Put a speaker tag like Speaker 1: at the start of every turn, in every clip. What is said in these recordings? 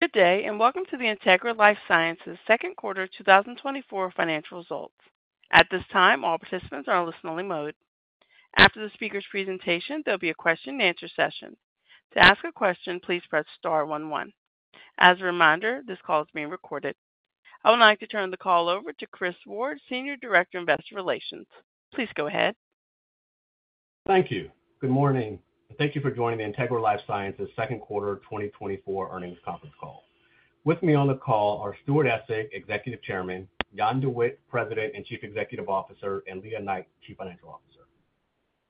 Speaker 1: Good day, and welcome to the Integra LifeSciences second quarter 2024 financial results. At this time, all participants are on listen-only mode. After the speaker's presentation, there'll be a question-and-answer session. To ask a question, please press star one, one. As a reminder, this call is being recorded. I would like to turn the call over to Chris Ward, Senior Director, Investor Relations. Please go ahead.
Speaker 2: Thank you. Good morning, and thank you for joining the Integra LifeSciences second quarter 2024 earnings conference call. With me on the call are Stuart Essig, Executive Chairman, Jan De Witte, President and Chief Executive Officer, and Lea Knight, Chief Financial Officer.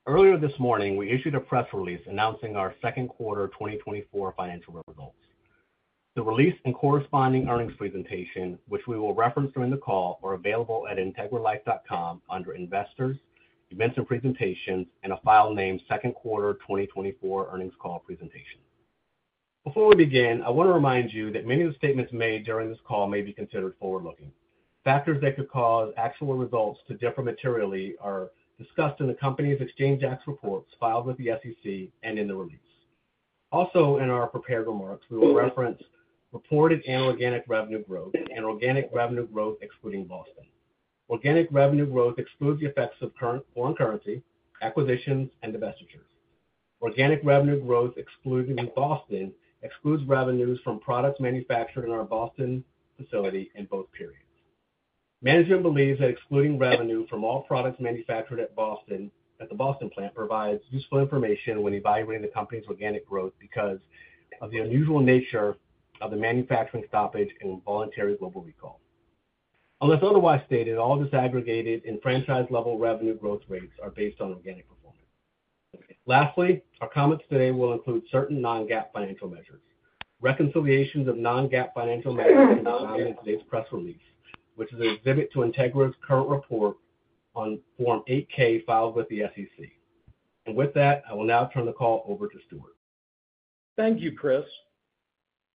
Speaker 2: Earlier this morning, we issued a press release announcing our second quarter 2024 financial results. The release and corresponding earnings presentation, which we will reference during the call, are available at integralife.com under Investors, Events and Presentations, in a file named "Second Quarter 2024 Earnings Call Presentation." Before we begin, I want to remind you that many of the statements made during this call may be considered forward-looking. Factors that could cause actual results to differ materially are discussed in the company's Exchange Act reports filed with the SEC and in the release. Also, in our prepared remarks, we will reference reported and organic revenue growth and organic revenue growth excluding Boston. Organic revenue growth excludes the effects of current foreign currency, acquisitions, and divestitures. Organic revenue growth, excluding Boston, excludes revenues from products manufactured in our Boston facility in both periods. Management believes that excluding revenue from all products manufactured at Boston, at the Boston plant, provides useful information when evaluating the company's organic growth because of the unusual nature of the manufacturing stoppage and voluntary global recall. Unless otherwise stated, all disaggregated and franchise-level revenue growth rates are based on organic performance. Lastly, our comments today will include certain non-GAAP financial measures. Reconciliations of non-GAAP financial measures are provided in today's press release, which is an exhibit to Integra's current report on Form 8-K filed with the SEC. And with that, I will now turn the call over to Stuart.
Speaker 3: Thank you, Chris.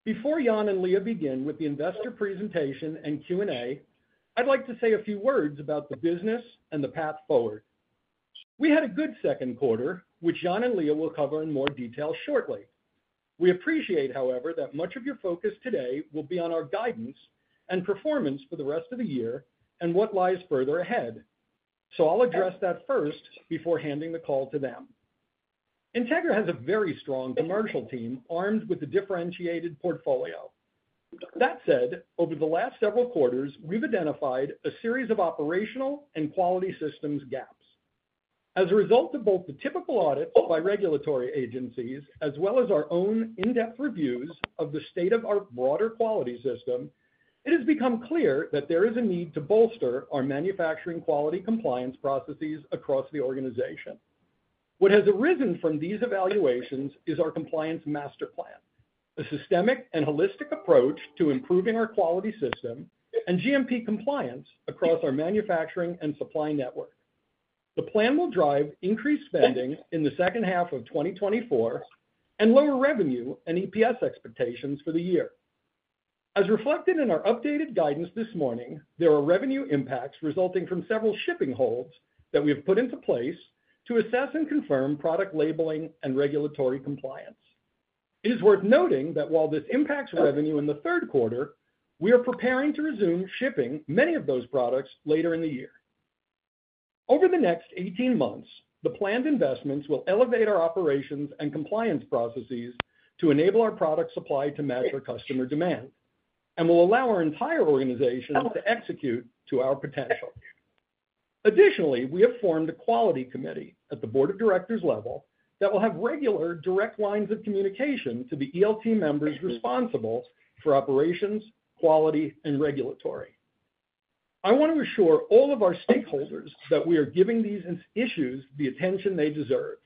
Speaker 3: Before Jan and Lea begin with the investor presentation and Q&A, I'd like to say a few words about the business and the path forward. We had a good second quarter, which Jan and Lea will cover in more detail shortly. We appreciate, however, that much of your focus today will be on our guidance and performance for the rest of the year and what lies further ahead. So I'll address that first before handing the call to them. Integra has a very strong commercial team armed with a differentiated portfolio. That said, over the last several quarters, we've identified a series of operational and quality systems gaps. As a result of both the typical audits by regulatory agencies, as well as our own in-depth reviews of the state of our broader quality system, it has become clear that there is a need to bolster our manufacturing quality compliance processes across the organization. What has arisen from these evaluations is our Compliance Master Plan, a systemic and holistic approach to improving our quality system and GMP compliance across our manufacturing and supply network. The plan will drive increased spending in the second half of 2024 and lower revenue and EPS expectations for the year. As reflected in our updated guidance this morning, there are revenue impacts resulting from several shipping holds that we have put into place to assess and confirm product labeling and regulatory compliance. It is worth noting that while this impacts revenue in the third quarter, we are preparing to resume shipping many of those products later in the year. Over the next 18 months, the planned investments will elevate our operations and compliance processes to enable our product supply to match our customer demand and will allow our entire organization to execute to our potential. Additionally, we have formed a Quality Committee at the Board of Directors level that will have regular, direct lines of communication to the ELT members responsible for operations, quality, and regulatory. I want to assure all of our stakeholders that we are giving these issues the attention they deserve.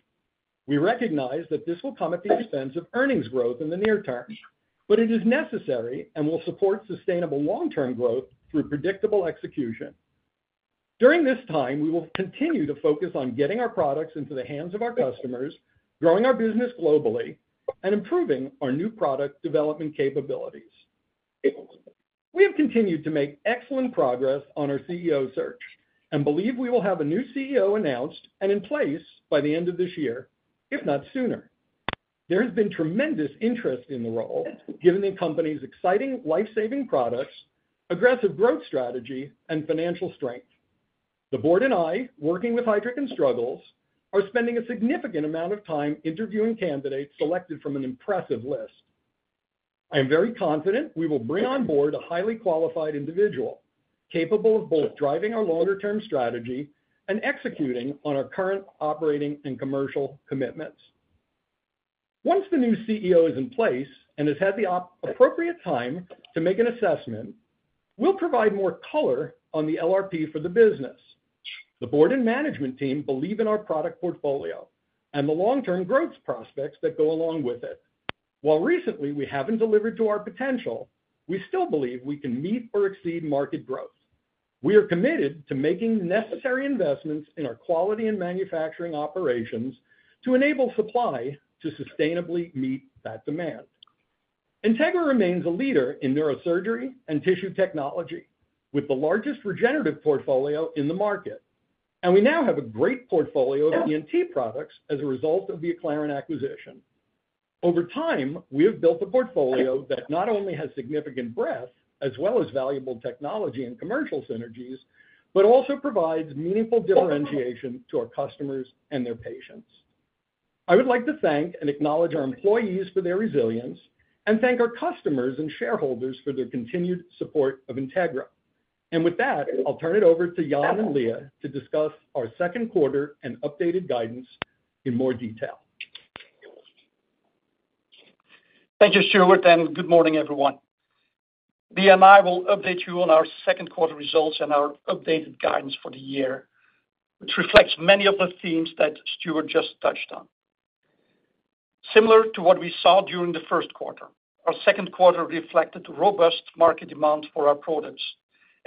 Speaker 3: We recognize that this will come at the expense of earnings growth in the near term, but it is necessary and will support sustainable long-term growth through predictable execution. During this time, we will continue to focus on getting our products into the hands of our customers, growing our business globally, and improving our new product development capabilities. We have continued to make excellent progress on our CEO search and believe we will have a new CEO announced and in place by the end of this year, if not sooner. There has been tremendous interest in the role, given the company's exciting life-saving products, aggressive growth strategy, and financial strength. The Board and I, working with Heidrick & Struggles, are spending a significant amount of time interviewing candidates selected from an impressive list. I am very confident we will bring on Board a highly qualified individual, capable of both driving our longer-term strategy and executing on our current operating and commercial commitments. Once the new CEO is in place and has had the appropriate time to make an assessment, we'll provide more color on the LRP for the business. The Board and management team believe in our product portfolio and the long-term growth prospects that go along with it. While recently we haven't delivered to our potential, we still believe we can meet or exceed market growth. We are committed to making the necessary investments in our quality and manufacturing operations to enable supply to sustainably meet that demand. Integra remains a leader in neurosurgery and Tissue Technology, with the largest regenerative portfolio in the market. We now have a great portfolio of ENT products as a result of the Acclarent acquisition. Over time, we have built a portfolio that not only has significant breadth, as well as valuable technology and commercial synergies, but also provides meaningful differentiation to our customers and their patients. I would like to thank and acknowledge our employees for their resilience, and thank our customers and shareholders for their continued support of Integra. With that, I'll turn it over to Jan and Lea to discuss our second quarter and updated guidance in more detail.
Speaker 4: Thank you, Stuart, and good morning, everyone. I will update you on our second quarter results and our updated guidance for the year, which reflects many of the themes that Stuart just touched on. Similar to what we saw during the first quarter, our second quarter reflected robust market demand for our products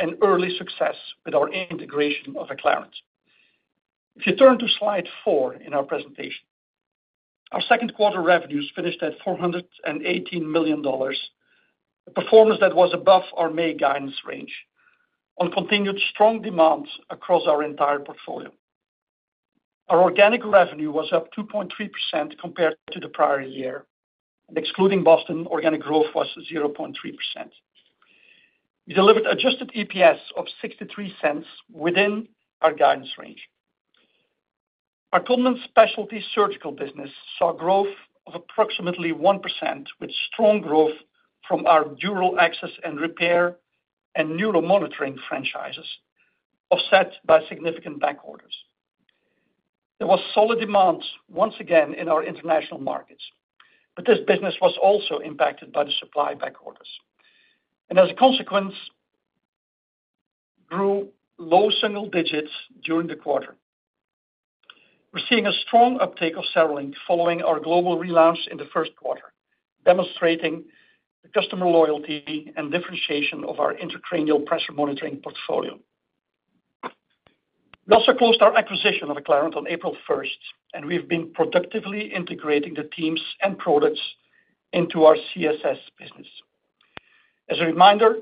Speaker 4: and early success with our integration of Acclarent. If you turn to slide four in our presentation, our second quarter revenues finished at $418 million, a performance that was above our May guidance range, on continued strong demand across our entire portfolio. Our organic revenue was up 2.3% compared to the prior year, and excluding Boston, organic growth was 0.3%. We delivered adjusted EPS of $0.63 within our guidance range. Our Codman Specialty Surgical business saw growth of approximately 1%, with strong growth from our Dural Access and Repair, and Neuromonitoring franchises, offset by significant backorders. There was solid demand once again in our international markets, but this business was also impacted by the supply backorders, and as a consequence, grew low single digits during the quarter. We're seeing a strong uptake of CereLink following our global relaunch in the first quarter, demonstrating the customer loyalty and differentiation of our intracranial pressure monitoring portfolio. We also closed our acquisition of Acclarent on April 1st, and we've been productively integrating the teams and products into our CSS business. As a reminder,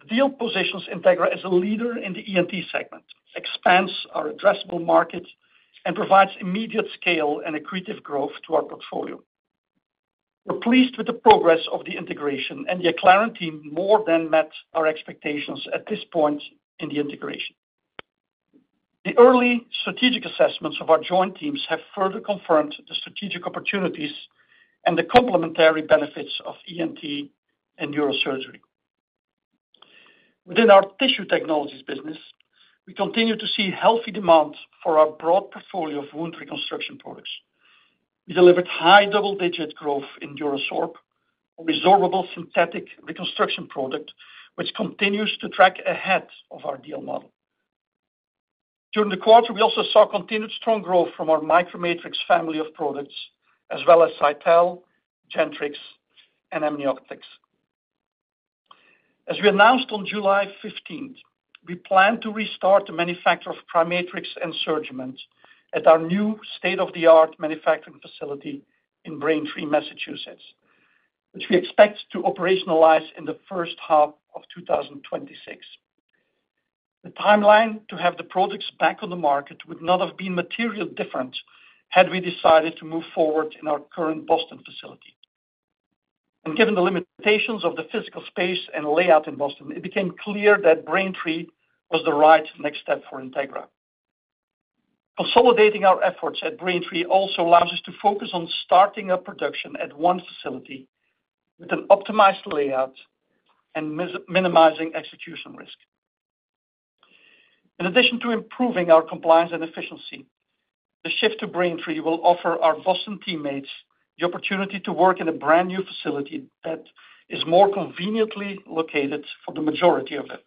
Speaker 4: the deal positions Integra as a leader in the ENT segment, expands our addressable markets, and provides immediate scale and accretive growth to our portfolio. We're pleased with the progress of the integration, and the Acclarent team more than met our expectations at this point in the integration. The early strategic assessments of our joint teams have further confirmed the strategic opportunities and the complementary benefits of ENT and neurosurgery. Within our Tissue Technologies business, we continue to see healthy demand for our broad portfolio of Wound Reconstruction products. We delivered high double-digit growth in DuraSorb, a resorbable synthetic reconstruction product, which continues to track ahead of our deal model. During the quarter, we also saw continued strong growth from our MicroMatrix family of products, as well as Cytal, Gentrix, and Amniotics. As we announced on July fifteenth, we plan to restart the manufacture of PriMatrix and SurgiMend at our new state-of-the-art manufacturing facility in Braintree, Massachusetts, which we expect to operationalize in the first half of 2026. The timeline to have the products back on the market would not have been materially different had we decided to move forward in our current Boston facility. Given the limitations of the physical space and layout in Boston, it became clear that Braintree was the right next step for Integra. Consolidating our efforts at Braintree also allows us to focus on starting up production at one facility with an optimized layout and minimizing execution risk. In addition to improving our compliance and efficiency, the shift to Braintree will offer our Boston teammates the opportunity to work in a brand-new facility that is more conveniently located for the majority of them.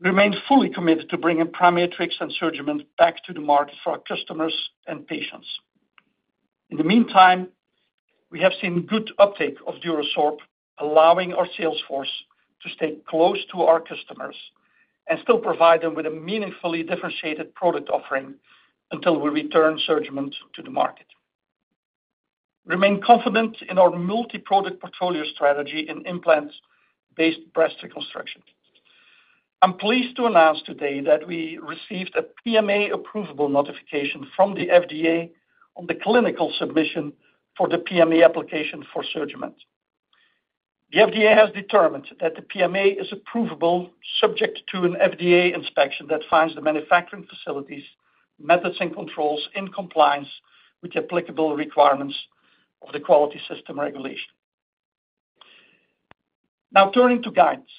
Speaker 4: We remain fully committed to bringing PriMatrix and SurgiMend back to the market for our customers and patients. In the meantime, we have seen good uptake of DuraSorb, allowing our sales force to stay close to our customers and still provide them with a meaningfully differentiated product offering until we return SurgiMend to the market. We remain confident in our multiproduct portfolio strategy in implants-based breast reconstruction. I'm pleased to announce today that we received a PMA approvable notification from the FDA on the clinical submission for the PMA application for SurgiMend. The FDA has determined that the PMA is approvable, subject to an FDA inspection that finds the manufacturing facilities, methods, and controls in compliance with the applicable requirements of the Quality System Regulation. Now, turning to guidance.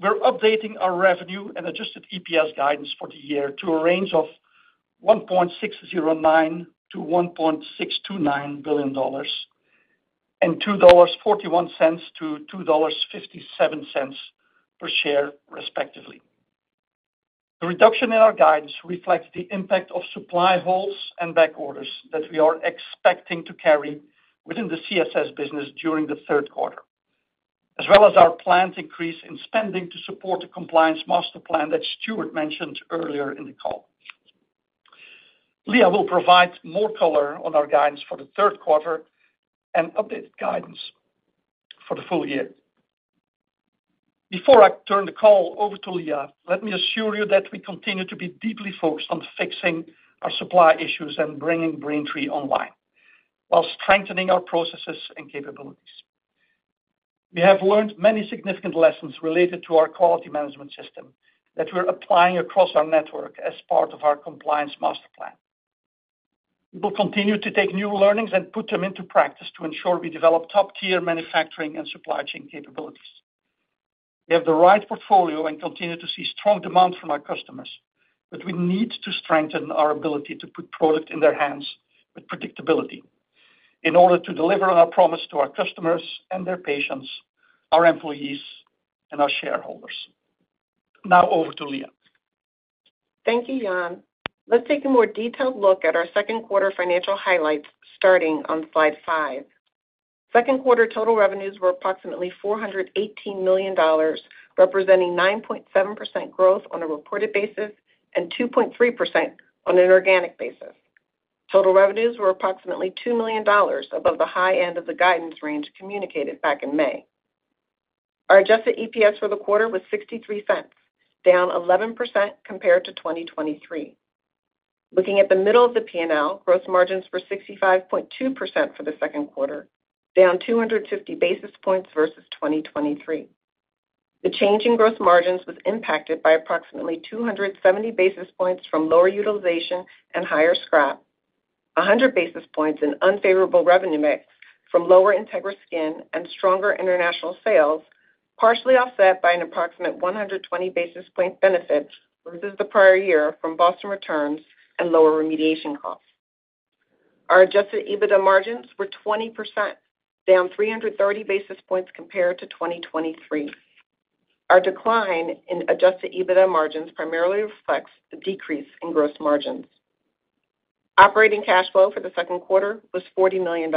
Speaker 4: We're updating our revenue and adjusted EPS guidance for the year to a range of $1.609 billion-$1.629 billion and $2.41-$2.57 per share, respectively. The reduction in our guidance reflects the impact of supply holds and backorders that we are expecting to carry within the CSS business during the third quarter, as well as our planned increase in spending to support the Compliance Master Plan that Stuart mentioned earlier in the call. Lea will provide more color on our guidance for the third quarter and updated guidance for the full year. Before I turn the call over to Lea, let me assure you that we continue to be deeply focused on fixing our supply issues and bringing Braintree online, while strengthening our processes and capabilities. We have learned many significant lessons related to our quality management system that we're applying across our network as part of our Compliance Master Plan. We will continue to take new learnings and put them into practice to ensure we develop top-tier manufacturing and supply chain capabilities. We have the right portfolio and continue to see strong demand from our customers, but we need to strengthen our ability to put product in their hands with predictability in order to deliver on our promise to our customers and their patients, our employees, and our shareholders. Now over to Lea.
Speaker 5: Thank you, Jan. Let's take a more detailed look at our second quarter financial highlights, starting on slide five. Second quarter total revenues were approximately $418 million, representing 9.7% growth on a reported basis and 2.3% on an organic basis. Total revenues were approximately $2 million above the high end of the guidance range communicated back in May. Our adjusted EPS for the quarter was $0.63, down 11% compared to 2023. Looking at the middle of the P&L, gross margins were 65.2% for the second quarter, down 250 basis points versus 2023. The change in gross margins was impacted by approximately 270 basis points from lower utilization and higher scrap, 100 basis points in unfavorable revenue mix from lower Integra Skin and stronger international sales, partially offset by an approximate 120 basis point benefit versus the prior year from Boston returns and lower remediation costs. Our adjusted EBITDA margins were 20%, down 330 basis points compared to 2023. Our decline in adjusted EBITDA margins primarily reflects the decrease in gross margins. Operating cash flow for the second quarter was $40 million.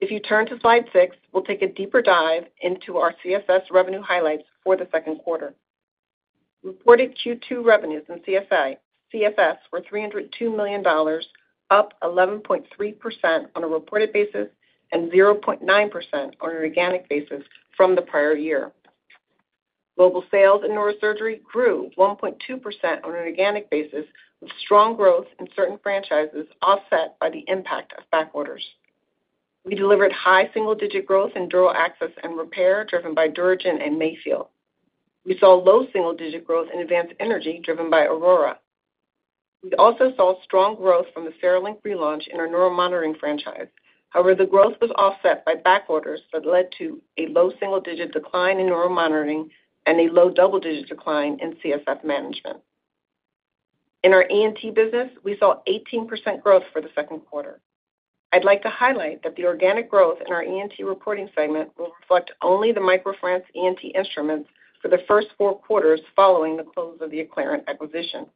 Speaker 5: If you turn to slide six, we'll take a deeper dive into our CSS revenue highlights for the second quarter. Reported Q2 revenues in CSS were $302 million, up 11.3% on a reported basis and 0.9% on an organic basis from the prior year. Global sales in neurosurgery grew 1.2% on an organic basis, with strong growth in certain franchises offset by the impact of back orders. We delivered high single-digit growth in Dural Access and Repair, driven by DuraGen and MAYFIELD. We saw low single-digit growth in Advanced Energy, driven by Aurora. We also saw strong growth from the CereLink relaunch in our Neuromonitoring franchise. However, the growth was offset by back orders that led to a low single-digit decline in Neuromonitoring and a low double-digit decline in CSF Management. In our ENT business, we saw 18% growth for the second quarter. I'd like to highlight that the organic growth in our ENT reporting segment will reflect only the MicroFrance ENT instruments for the first four quarters following the close of the Acclarent acquisition.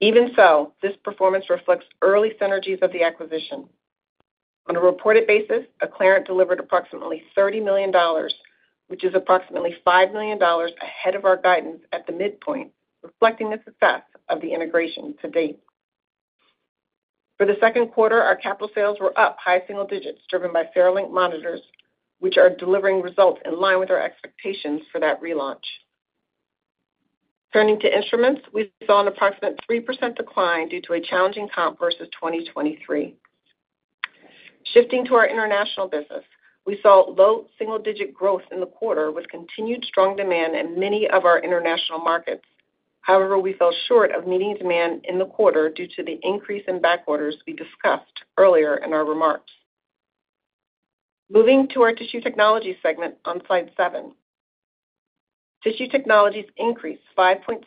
Speaker 5: Even so, this performance reflects early synergies of the acquisition. On a reported basis, Acclarent delivered approximately $30 million, which is approximately $5 million ahead of our guidance at the midpoint, reflecting the success of the integration to date. For the second quarter, our capital sales were up high single digits, driven by CereLink monitors, which are delivering results in line with our expectations for that relaunch. Turning to instruments, we saw an approximate 3% decline due to a challenging comp versus 2023. Shifting to our international business, we saw low single-digit growth in the quarter, with continued strong demand in many of our international markets. However, we fell short of meeting demand in the quarter due to the increase in back orders we discussed earlier in our remarks. Moving to our Tissue Technologies segment on slide seven. Tissue Technologies increased 5.6%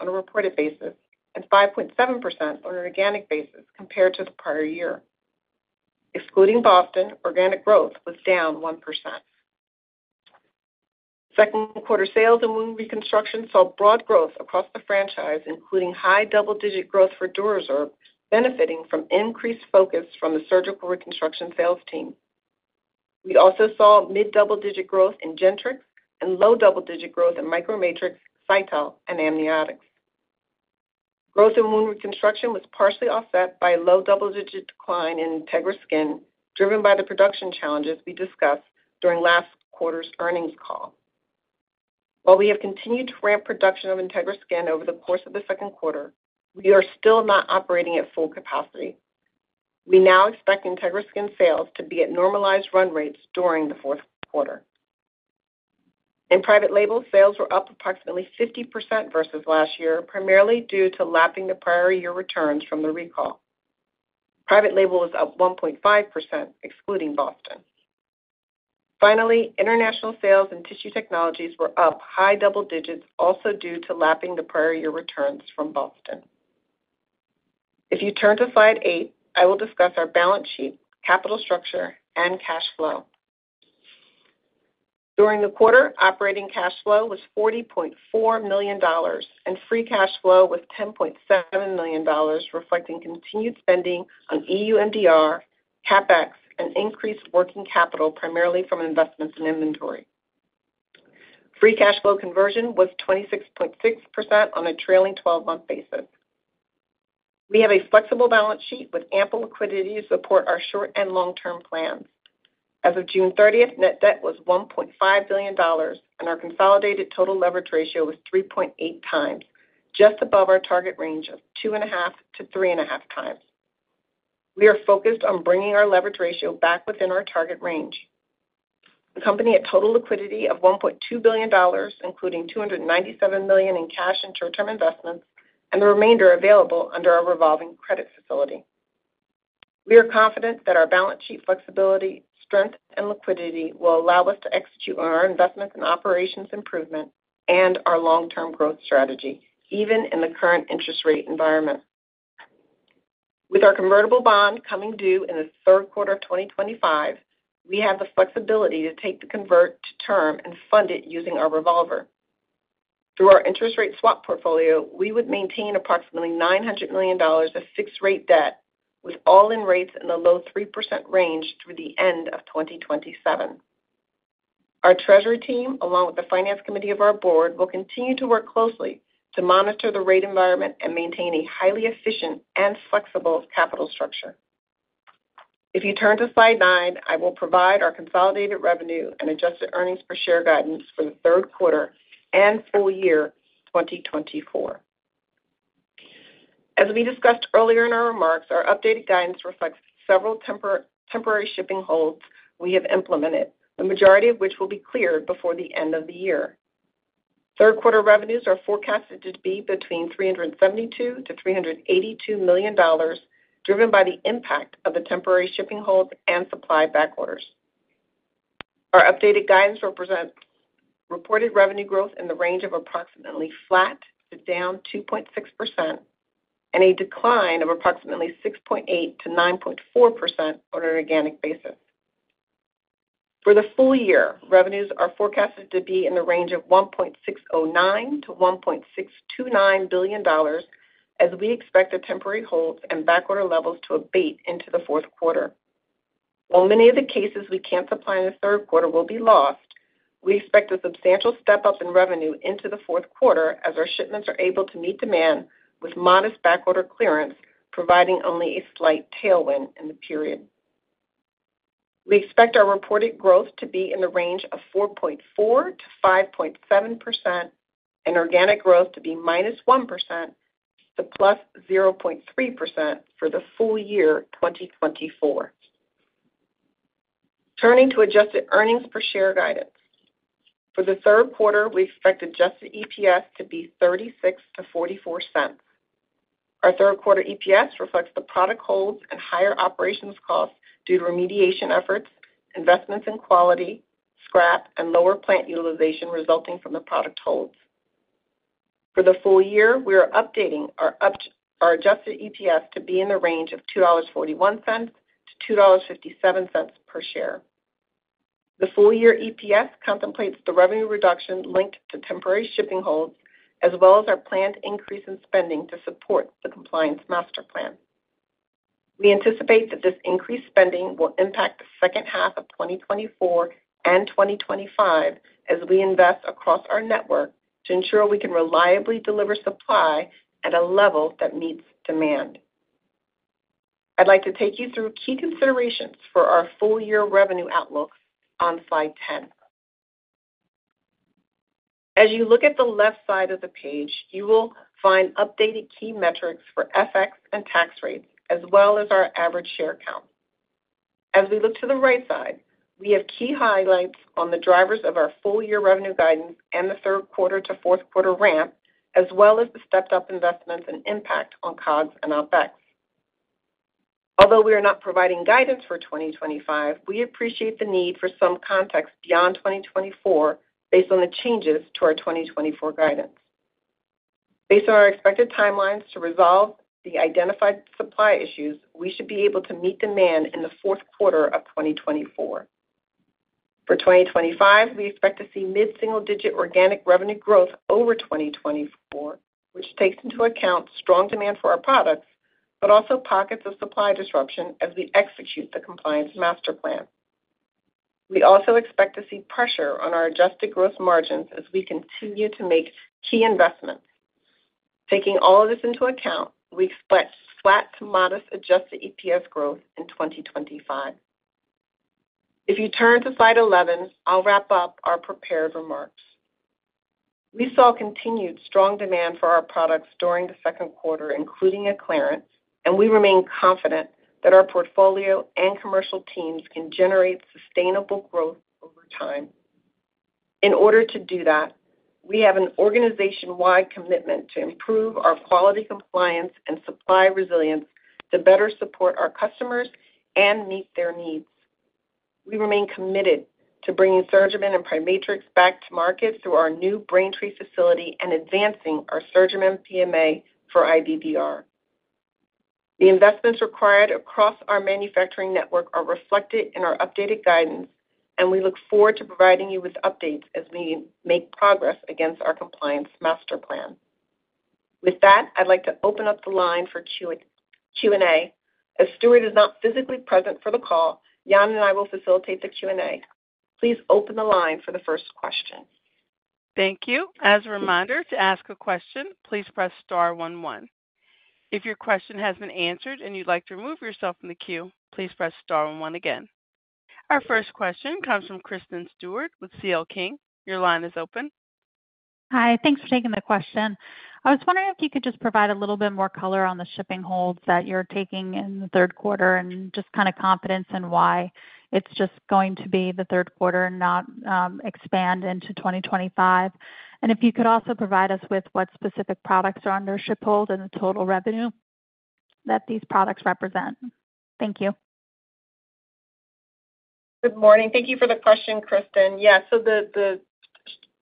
Speaker 5: on a reported basis and 5.7% on an organic basis compared to the prior year. Excluding Boston, organic growth was down 1%. Second quarter sales and Wound Reconstruction saw broad growth across the franchise, including high double-digit growth for DuraSorb, benefiting from increased focus from the surgical reconstruction sales team. We also saw mid-double-digit growth in Gentrix and low double-digit growth in MicroMatrix, Cytal, and Amniotic. Growth in Wound Reconstruction was partially offset by a low double-digit decline in Integra Skin, driven by the production challenges we discussed during last quarter's earnings call. While we have continued to ramp production of Integra Skin over the course of the second quarter, we are still not operating at full capacity. We now expect Integra Skin sales to be at normalized run rates during the fourth quarter. In private label, sales were up approximately 50% versus last year, primarily due to lapping the prior year returns from the recall. Private label was up 1.5%, excluding Boston. Finally, international sales and Tissue Technologies were up high double digits, also due to lapping the prior year returns from Boston. If you turn to slide 8, I will discuss our balance sheet, capital structure, and cash flow. During the quarter, operating cash flow was $40.4 million, and free cash flow was $10.7 million, reflecting continued spending on EU MDR, CapEx, and increased working capital, primarily from investments in inventory.... Free cash flow conversion was 26.6% on a trailing 12-month basis. We have a flexible balance sheet with ample liquidity to support our short and long-term plans. As of June 30th, net debt was $1.5 billion, and our consolidated total leverage ratio was 3.8x, just above our target range of 2.5-3.5x. We are focused on bringing our leverage ratio back within our target range. The company had total liquidity of $1.2 billion, including $297 million in cash and short-term investments, and the remainder available under our revolving credit facility. We are confident that our balance sheet flexibility, strength, and liquidity will allow us to execute on our investments and operations improvement and our long-term growth strategy, even in the current interest rate environment. With our convertible bond coming due in the third quarter of 2025, we have the flexibility to take the convert to term and fund it using our revolver. Through our interest rate swap portfolio, we would maintain approximately $900 million of fixed-rate debt, with all-in rates in the low 3% range through the end of 2027. Our treasury team, along with the finance committee of our Board, will continue to work closely to monitor the rate environment and maintain a highly efficient and flexible capital structure. If you turn to slide nine, I will provide our consolidated revenue and adjusted earnings per share guidance for the third quarter and full year 2024. As we discussed earlier in our remarks, our updated guidance reflects several temporary shipping holds we have implemented, the majority of which will be cleared before the end of the year. Third quarter revenues are forecasted to be between $372 million-$382 million, driven by the impact of the temporary shipping holds and supply backorders. Our updated guidance will present reported revenue growth in the range of approximately flat to down 2.6%, and a decline of approximately 6.8%-9.4% on an organic basis. For the full year, revenues are forecasted to be in the range of $1.609 billion-$1.629 billion, as we expect the temporary holds and backorder levels to abate into the fourth quarter. While many of the cases we can't supply in the third quarter will be lost, we expect a substantial step-up in revenue into the fourth quarter as our shipments are able to meet demand, with modest backorder clearance, providing only a slight tailwind in the period. We expect our reported growth to be in the range of 4.4%-5.7% and organic growth to be -1% to +0.3% for the full year 2024. Turning to adjusted earnings per share guidance. For the third quarter, we expect adjusted EPS to be $0.36-$0.44. Our third quarter EPS reflects the product holds and higher operations costs due to remediation efforts, investments in quality, scrap, and lower plant utilization resulting from the product holds. For the full year, we are updating our adjusted EPS to be in the range of $2.41-$2.57 per share. The full-year EPS contemplates the revenue reduction linked to temporary shipping holds, as well as our planned increase in spending to support the Compliance Master Plan. We anticipate that this increased spending will impact the second half of 2024 and 2025 as we invest across our network to ensure we can reliably deliver supply at a level that meets demand. I'd like to take you through key considerations for our full year revenue outlook on slide 10. As you look at the left side of the page, you will find updated key metrics for FX and tax rates, as well as our average share count. As we look to the right side, we have key highlights on the drivers of our full year revenue guidance and the third quarter to fourth quarter ramp, as well as the stepped-up investments and impact on COGS and OpEx. Although we are not providing guidance for 2025, we appreciate the need for some context beyond 2024, based on the changes to our 2024 guidance. Based on our expected timelines to resolve the identified supply issues, we should be able to meet demand in the fourth quarter of 2024. For 2025, we expect to see mid-single-digit organic revenue growth over 2024, which takes into account strong demand for our products, but also pockets of supply disruption as we execute the Compliance Master Plan. We also expect to see pressure on our adjusted gross margins as we continue to make key investments. Taking all of this into account, we expect flat to modest adjusted EPS growth in 2025. If you turn to slide 11, I'll wrap up our prepared remarks. We saw continued strong demand for our products during the second quarter, including a clearance, and we remain confident that our portfolio and commercial teams can generate sustainable growth over time. In order to do that, we have an organization-wide commitment to improve our quality, compliance, and supply resilience to better support our customers and meet their needs. We remain committed to bringing SurgiMend and PriMatrix back to market through our new Braintree facility and advancing our SurgiMend PMA for IBBR. The investments required across our manufacturing network are reflected in our updated guidance, and we look forward to providing you with updates as we make progress against our Compliance Master Plan. With that, I'd like to open up the line for Q&A. As Stuart is not physically present for the call, Jan and I will facilitate the Q&A. Please open the line for the first question.
Speaker 1: Thank you. As a reminder, to ask a question, please press star one, one. If your question has been answered and you'd like to remove yourself from the queue, please press star one one again. Our first question comes from Kristen Stewart with CL King. Your line is open.
Speaker 6: Hi, thanks for taking the question. I was wondering if you could just provide a little bit more color on the shipping holds that you're taking in the third quarter and just kind of confidence in why it's just going to be the third quarter and not expand into 2025. If you could also provide us with what specific products are under ship hold and the total revenue that these products represent. Thank you.
Speaker 5: Good morning. Thank you for the question, Kristen. Yeah, so the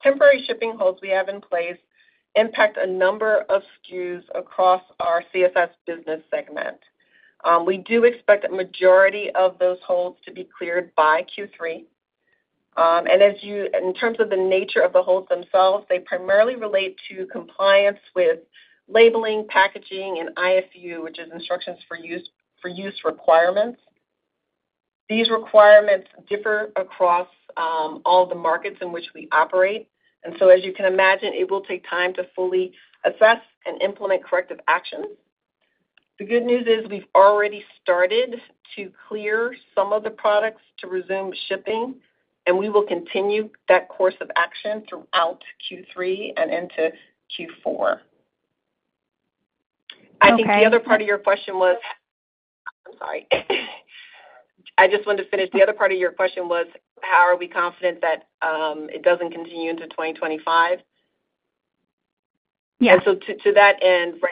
Speaker 5: temporary shipping holds we have in place impact a number of SKUs across our CSS business segment. We do expect a majority of those holds to be cleared by Q3. And as you, in terms of the nature of the holds themselves, they primarily relate to compliance with labeling, packaging, and IFU, which is instructions for use, for use requirements. These requirements differ across all the markets in which we operate, and so as you can imagine, it will take time to fully assess and implement corrective actions. The good news is we've already started to clear some of the products to resume shipping, and we will continue that course of action throughout Q3 and into Q4.
Speaker 6: Okay.
Speaker 5: I think the other part of your question was... I'm sorry. I just wanted to finish. The other part of your question was, how are we confident that it doesn't continue into 2025?
Speaker 6: Yeah.
Speaker 5: So to that end, yep,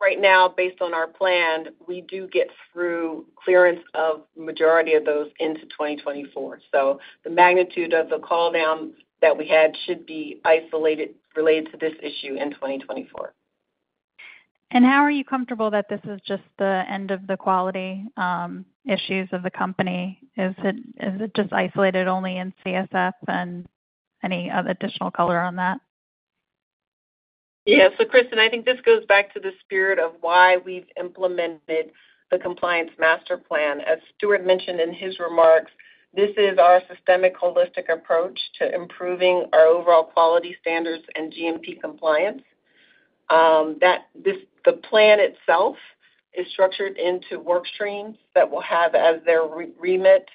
Speaker 5: right now, based on our plan, we do get through clearance of majority of those into 2024. So the magnitude of the call down that we had should be isolated, related to this issue in 2024.
Speaker 6: How are you comfortable that this is just the end of the quality issues of the company? Is it, is it just isolated only in CSS and any other additional color on that?
Speaker 5: Yeah. So, Kristen, I think this goes back to the spirit of why we've implemented the Compliance Master Plan. As Stuart mentioned in his remarks, this is our systemic holistic approach to improving our overall quality standards and GMP compliance. That the plan itself is structured into work streams that will have as their remit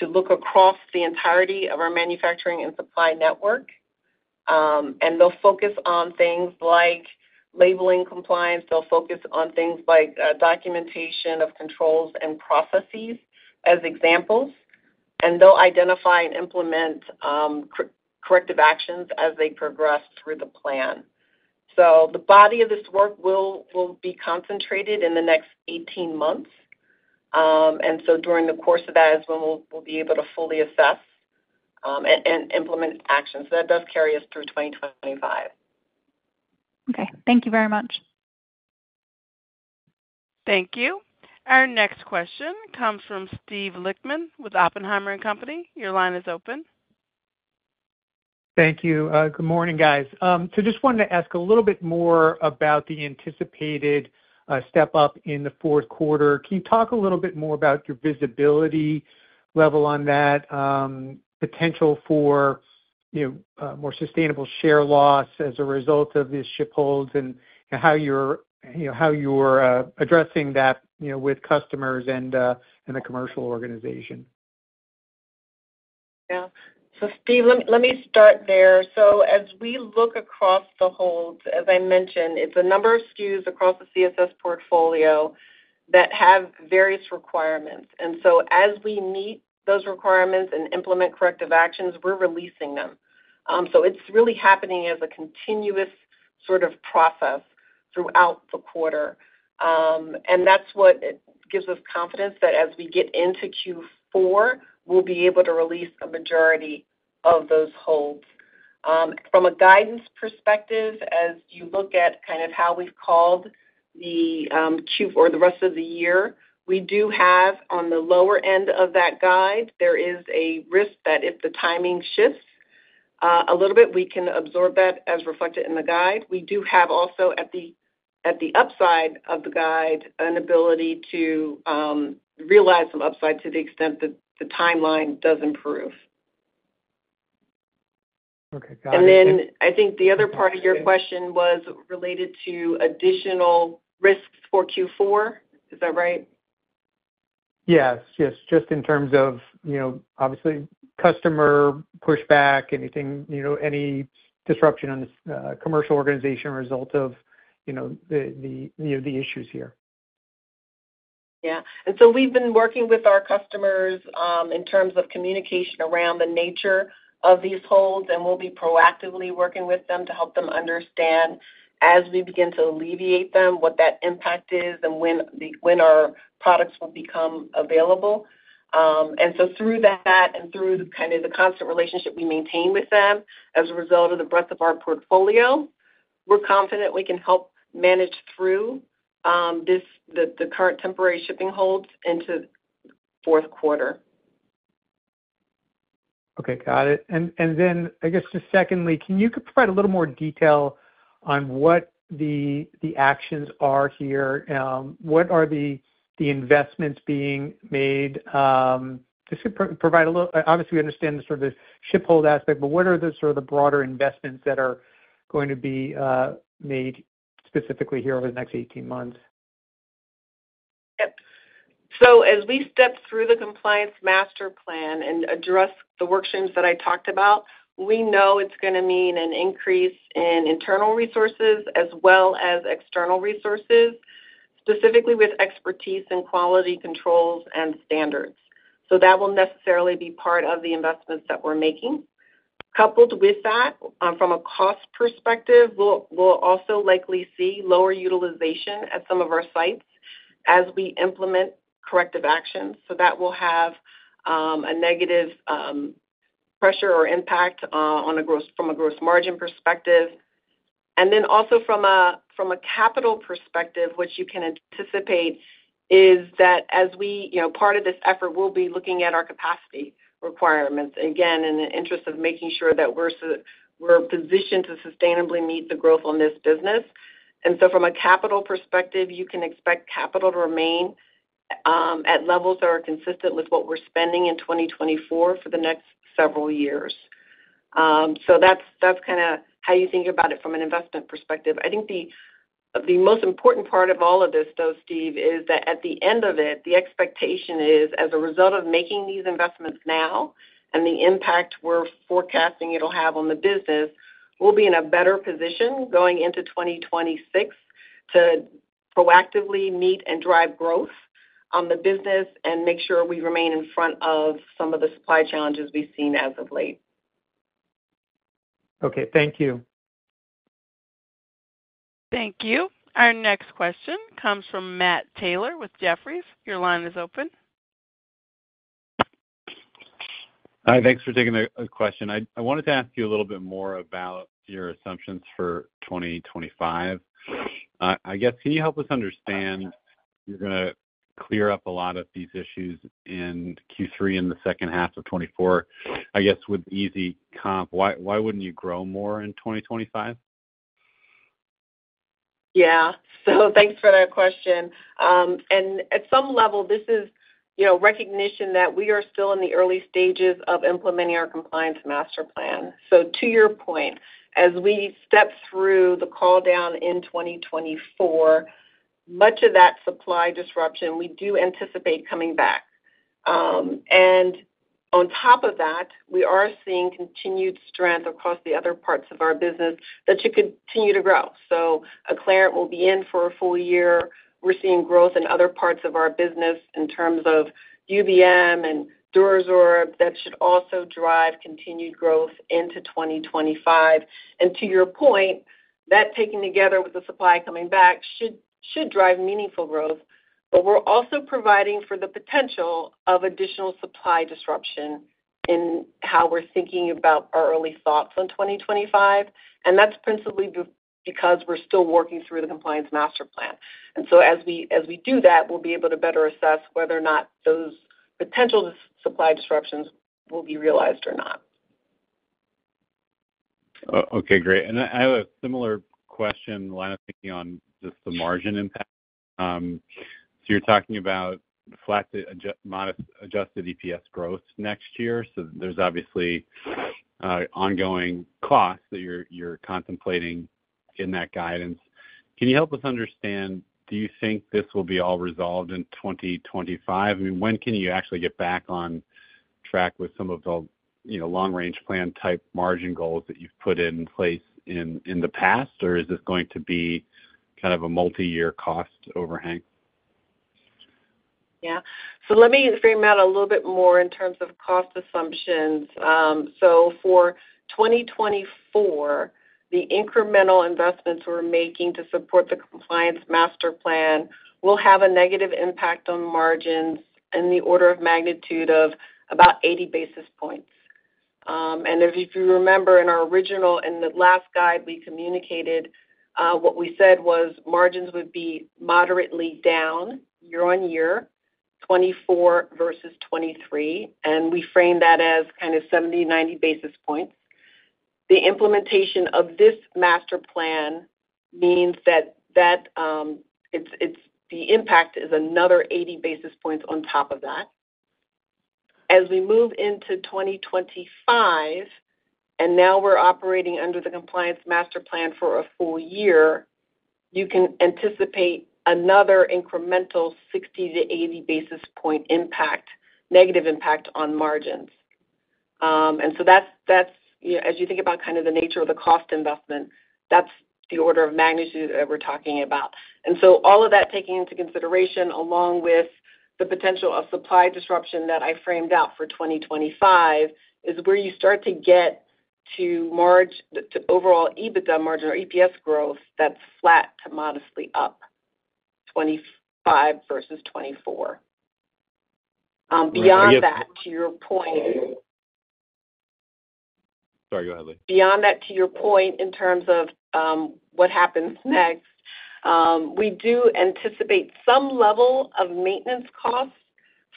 Speaker 5: to look across the entirety of our manufacturing and supply network. And they'll focus on things like labeling compliance. They'll focus on things like documentation of controls and processes as examples, and they'll identify and implement corrective actions as they progress through the plan. So the body of this work will be concentrated in the next 18 months. And so during the course of that is when we'll be able to fully assess and implement actions. That does carry us through 2025.
Speaker 6: Okay. Thank you very much.
Speaker 1: Thank you. Our next question comes from Steve Lichtman with Oppenheimer & Co. Your line is open.
Speaker 7: Thank you. Good morning, guys. So just wanted to ask a little bit more about the anticipated step-up in the fourth quarter. Can you talk a little bit more about your visibility level on that potential for, you know, more sustainable share loss as a result of these ship holds and how you're, you know, addressing that, you know, with customers and the commercial organization?
Speaker 5: Yeah. So Steve, let me start there. So as we look across the holds, as I mentioned, it's a number of SKUs across the CSS portfolio that have various requirements. And so as we meet those requirements and implement corrective actions, we're releasing them. So it's really happening as a continuous sort of process throughout the quarter. And that's what gives us confidence that as we get into Q4, we'll be able to release a majority of those holds. From a guidance perspective, as you look at kind of how we've called the Q4, the rest of the year, we do have on the lower end of that guide, there is a risk that if the timing shifts a little bit, we can absorb that as reflected in the guide. We do have also, at the upside of the guide, an ability to realize some upside to the extent that the timeline does improve.
Speaker 7: Okay, got it.
Speaker 5: Then I think the other part of your question was related to additional risks for Q4. Is that right?
Speaker 7: Yes. Yes, just in terms of, you know, obviously customer pushback, anything, you know, any disruption on the commercial organization result of, you know, the issues here.
Speaker 5: Yeah. And so we've been working with our customers, in terms of communication around the nature of these holds, and we'll be proactively working with them to help them understand, as we begin to alleviate them, what that impact is and when the, when our products will become available. And so through that and through the kind of constant relationship we maintain with them as a result of the breadth of our portfolio, we're confident we can help manage through, this, the current temporary shipping holds into fourth quarter....
Speaker 7: Okay, got it. And, and then I guess just secondly, can you provide a little more detail on what the, the actions are here? What are the, the investments being made? Just to provide a little—obviously, we understand the sort of the ship hold aspect, but what are the sort of the broader investments that are going to be made specifically here over the next 18 months?
Speaker 5: Yep. So as we step through the Compliance Master Plan and address the work streams that I talked about, we know it's gonna mean an increase in internal resources as well as external resources, specifically with expertise in quality controls and standards. So that will necessarily be part of the investments that we're making. Coupled with that, from a cost perspective, we'll also likely see lower utilization at some of our sites as we implement corrective actions. So that will have a negative pressure or impact on gross margin from a gross margin perspective. And then also from a capital perspective, what you can anticipate is that as we... You know, part of this effort, we'll be looking at our capacity requirements, again, in the interest of making sure that we're positioned to sustainably meet the growth on this business. From a capital perspective, you can expect capital to remain at levels that are consistent with what we're spending in 2024 for the next several years. So that's, that's kinda how you think about it from an investment perspective. I think the, the most important part of all of this, though, Steve, is that at the end of it, the expectation is, as a result of making these investments now and the impact we're forecasting it'll have on the business, we'll be in a better position going into 2026 to proactively meet and drive growth on the business and make sure we remain in front of some of the supply challenges we've seen as of late.
Speaker 7: Okay, thank you.
Speaker 1: Thank you. Our next question comes from Matt Taylor with Jefferies. Your line is open.
Speaker 8: Hi, thanks for taking a question. I wanted to ask you a little bit more about your assumptions for 2025. I guess, can you help us understand, you're gonna clear up a lot of these issues in Q3, in the second half of 2024, I guess, with easy comp, why wouldn't you grow more in 2025?
Speaker 5: Yeah. So thanks for that question. And at some level, this is, you know, recognition that we are still in the early stages of implementing our Compliance Master Plan. So to your point, as we step through the call down in 2024, much of that supply disruption we do anticipate coming back. And on top of that, we are seeing continued strength across the other parts of our business that should continue to grow. So Acclarent will be in for a full year. We're seeing growth in other parts of our business in terms of UBM and DuraSorb. That should also drive continued growth into 2025. And to your point, that, taken together with the supply coming back, should drive meaningful growth. But we're also providing for the potential of additional supply disruption in how we're thinking about our early thoughts on 2025, and that's principally because we're still working through the Compliance Master Plan. So as we do that, we'll be able to better assess whether or not those potential supply disruptions will be realized or not.
Speaker 8: Okay, great. And I have a similar question, line of thinking on just the margin impact. So you're talking about flat to modest adjusted EPS growth next year. So there's obviously ongoing costs that you're contemplating in that guidance. Can you help us understand, do you think this will be all resolved in 2025? I mean, when can you actually get back on track with some of the, you know, long-range plan-type margin goals that you've put in place in the past, or is this going to be kind of a multiyear cost overhang?
Speaker 5: Yeah. So let me frame out a little bit more in terms of cost assumptions. So for 2024, the incremental investments we're making to support the Compliance Master Plan will have a negative impact on margins in the order of magnitude of about 80 basis points. And if you remember, in our original, in the last guide we communicated, what we said was margins would be moderately down year-on-year, 2024 versus 2023, and we framed that as kind of 70-90 basis points. The implementation of this master plan means that the impact is another 80 basis points on top of that. As we move into 2025, and now we're operating under the Compliance Master Plan for a full year, you can anticipate another incremental 60-80 basis point impact, negative impact on margins. And so that's, that's, you know, as you think about kind of the nature of the cost investment, that's the order of magnitude that we're talking about. And so all of that, taking into consideration, along with the potential of supply disruption that I framed out for 2025, is where you start to get to margin – to overall EBITDA margin or EPS growth, that's flat to modestly up, 2025 versus 2024. Beyond that, to your point-...
Speaker 8: Sorry, go ahead, Lea.
Speaker 5: Beyond that, to your point, in terms of what happens next, we do anticipate some level of maintenance costs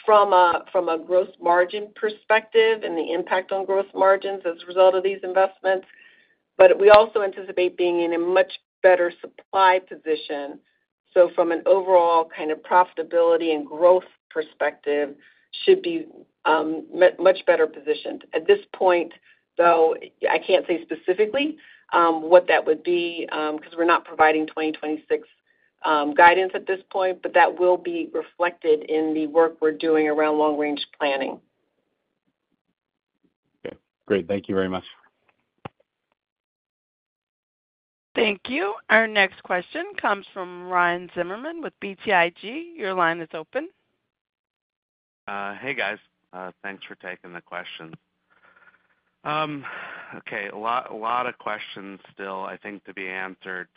Speaker 5: from a, from a gross margin perspective and the impact on gross margins as a result of these investments, but we also anticipate being in a much better supply position. So from an overall kind of profitability and growth perspective, should be much better positioned. At this point, though, I can't say specifically what that would be because we're not providing 2026 guidance at this point, but that will be reflected in the work we're doing around long-range planning.
Speaker 8: Okay, great. Thank you very much.
Speaker 1: Thank you. Our next question comes from Ryan Zimmerman with BTIG. Your line is open.
Speaker 9: Hey, guys, thanks for taking the question. Okay, a lot, a lot of questions still, I think, to be answered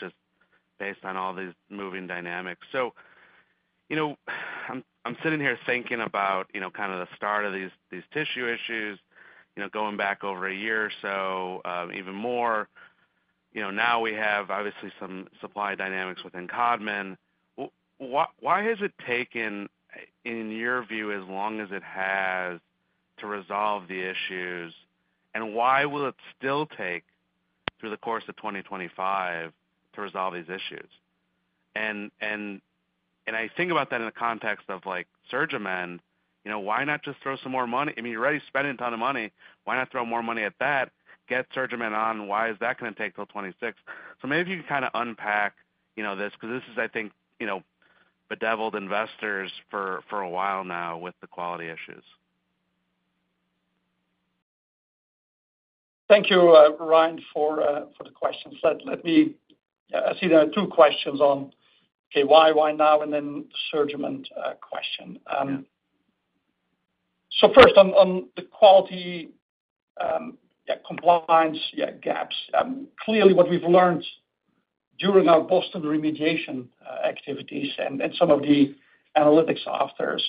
Speaker 9: just based on all these moving dynamics. So, you know, I'm sitting here thinking about, you know, kind of the start of these tissue issues, you know, going back over a year or so, even more, you know, now we have obviously some supply dynamics within Codman. Why, why has it taken, in your view, as long as it has to resolve the issues, and why will it still take through the course of 2025 to resolve these issues? And I think about that in the context of, like, SurgiMend, you know, why not just throw some more money, I mean, you're already spending a ton of money. Why not throw more money at that, get SurgiMend on? Why is that gonna take till 2026? So maybe if you can kind of unpack, you know, this, because this has, I think, you know, bedeviled investors for, for a while now with the quality issues.
Speaker 4: Thank you, Ryan, for the questions. Let me... I see there are two questions on, okay, why now, and then the SurgiMend question.
Speaker 9: Yeah.
Speaker 4: So first on the quality compliance gaps. Clearly, what we've learned during our Boston remediation activities and some of the analytics afterwards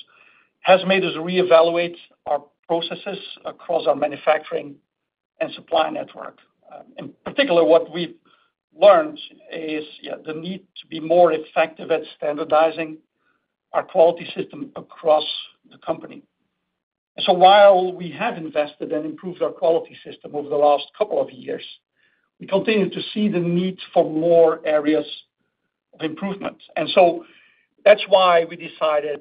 Speaker 4: has made us reevaluate our processes across our manufacturing and supply network. In particular, what we've learned is the need to be more effective at standardizing our quality system across the company. So while we have invested and improved our quality system over the last couple of years, we continue to see the need for more areas of improvement. And so that's why we decided,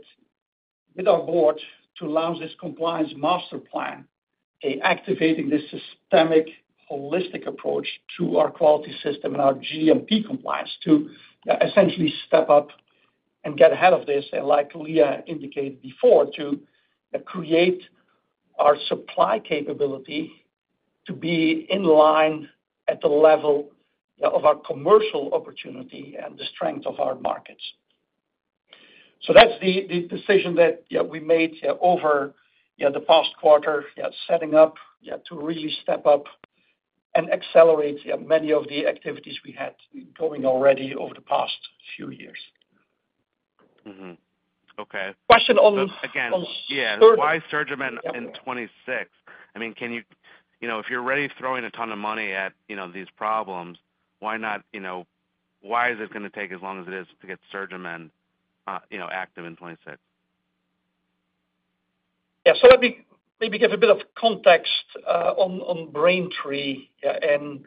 Speaker 4: with our Board, to launch this Compliance Master Plan, okay, activating this systemic, holistic approach to our quality system and our GMP compliance to essentially step up and get ahead of this, and like Lea indicated before, to create our supply capability to be in line at the level of our commercial opportunity and the strength of our markets. So that's the decision that we made over the past quarter, setting up to really step up and accelerate many of the activities we had going already over the past few years.
Speaker 9: Mm-hmm. Okay.
Speaker 4: Question on-
Speaker 9: Again-
Speaker 4: On Surgi-
Speaker 9: Yeah. Why SurgiMend in 2026? I mean, can you... You know, if you're already throwing a ton of money at, you know, these problems, why not, you know, why is it gonna take as long as it is to get SurgiMend, you know, active in 2026?
Speaker 4: Yeah. So let me maybe give a bit of context on Braintree and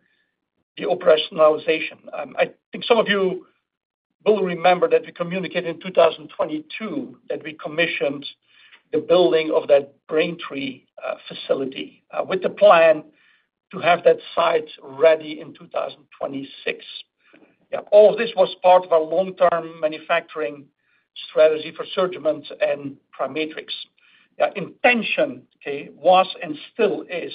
Speaker 4: the operationalization. I think some of you will remember that we communicated in 2022 that we commissioned the building of that Braintree facility with the plan to have that site ready in 2026. Yeah, all this was part of our long-term manufacturing strategy for SurgiMend and PriMatrix. The intention, okay, was and still is,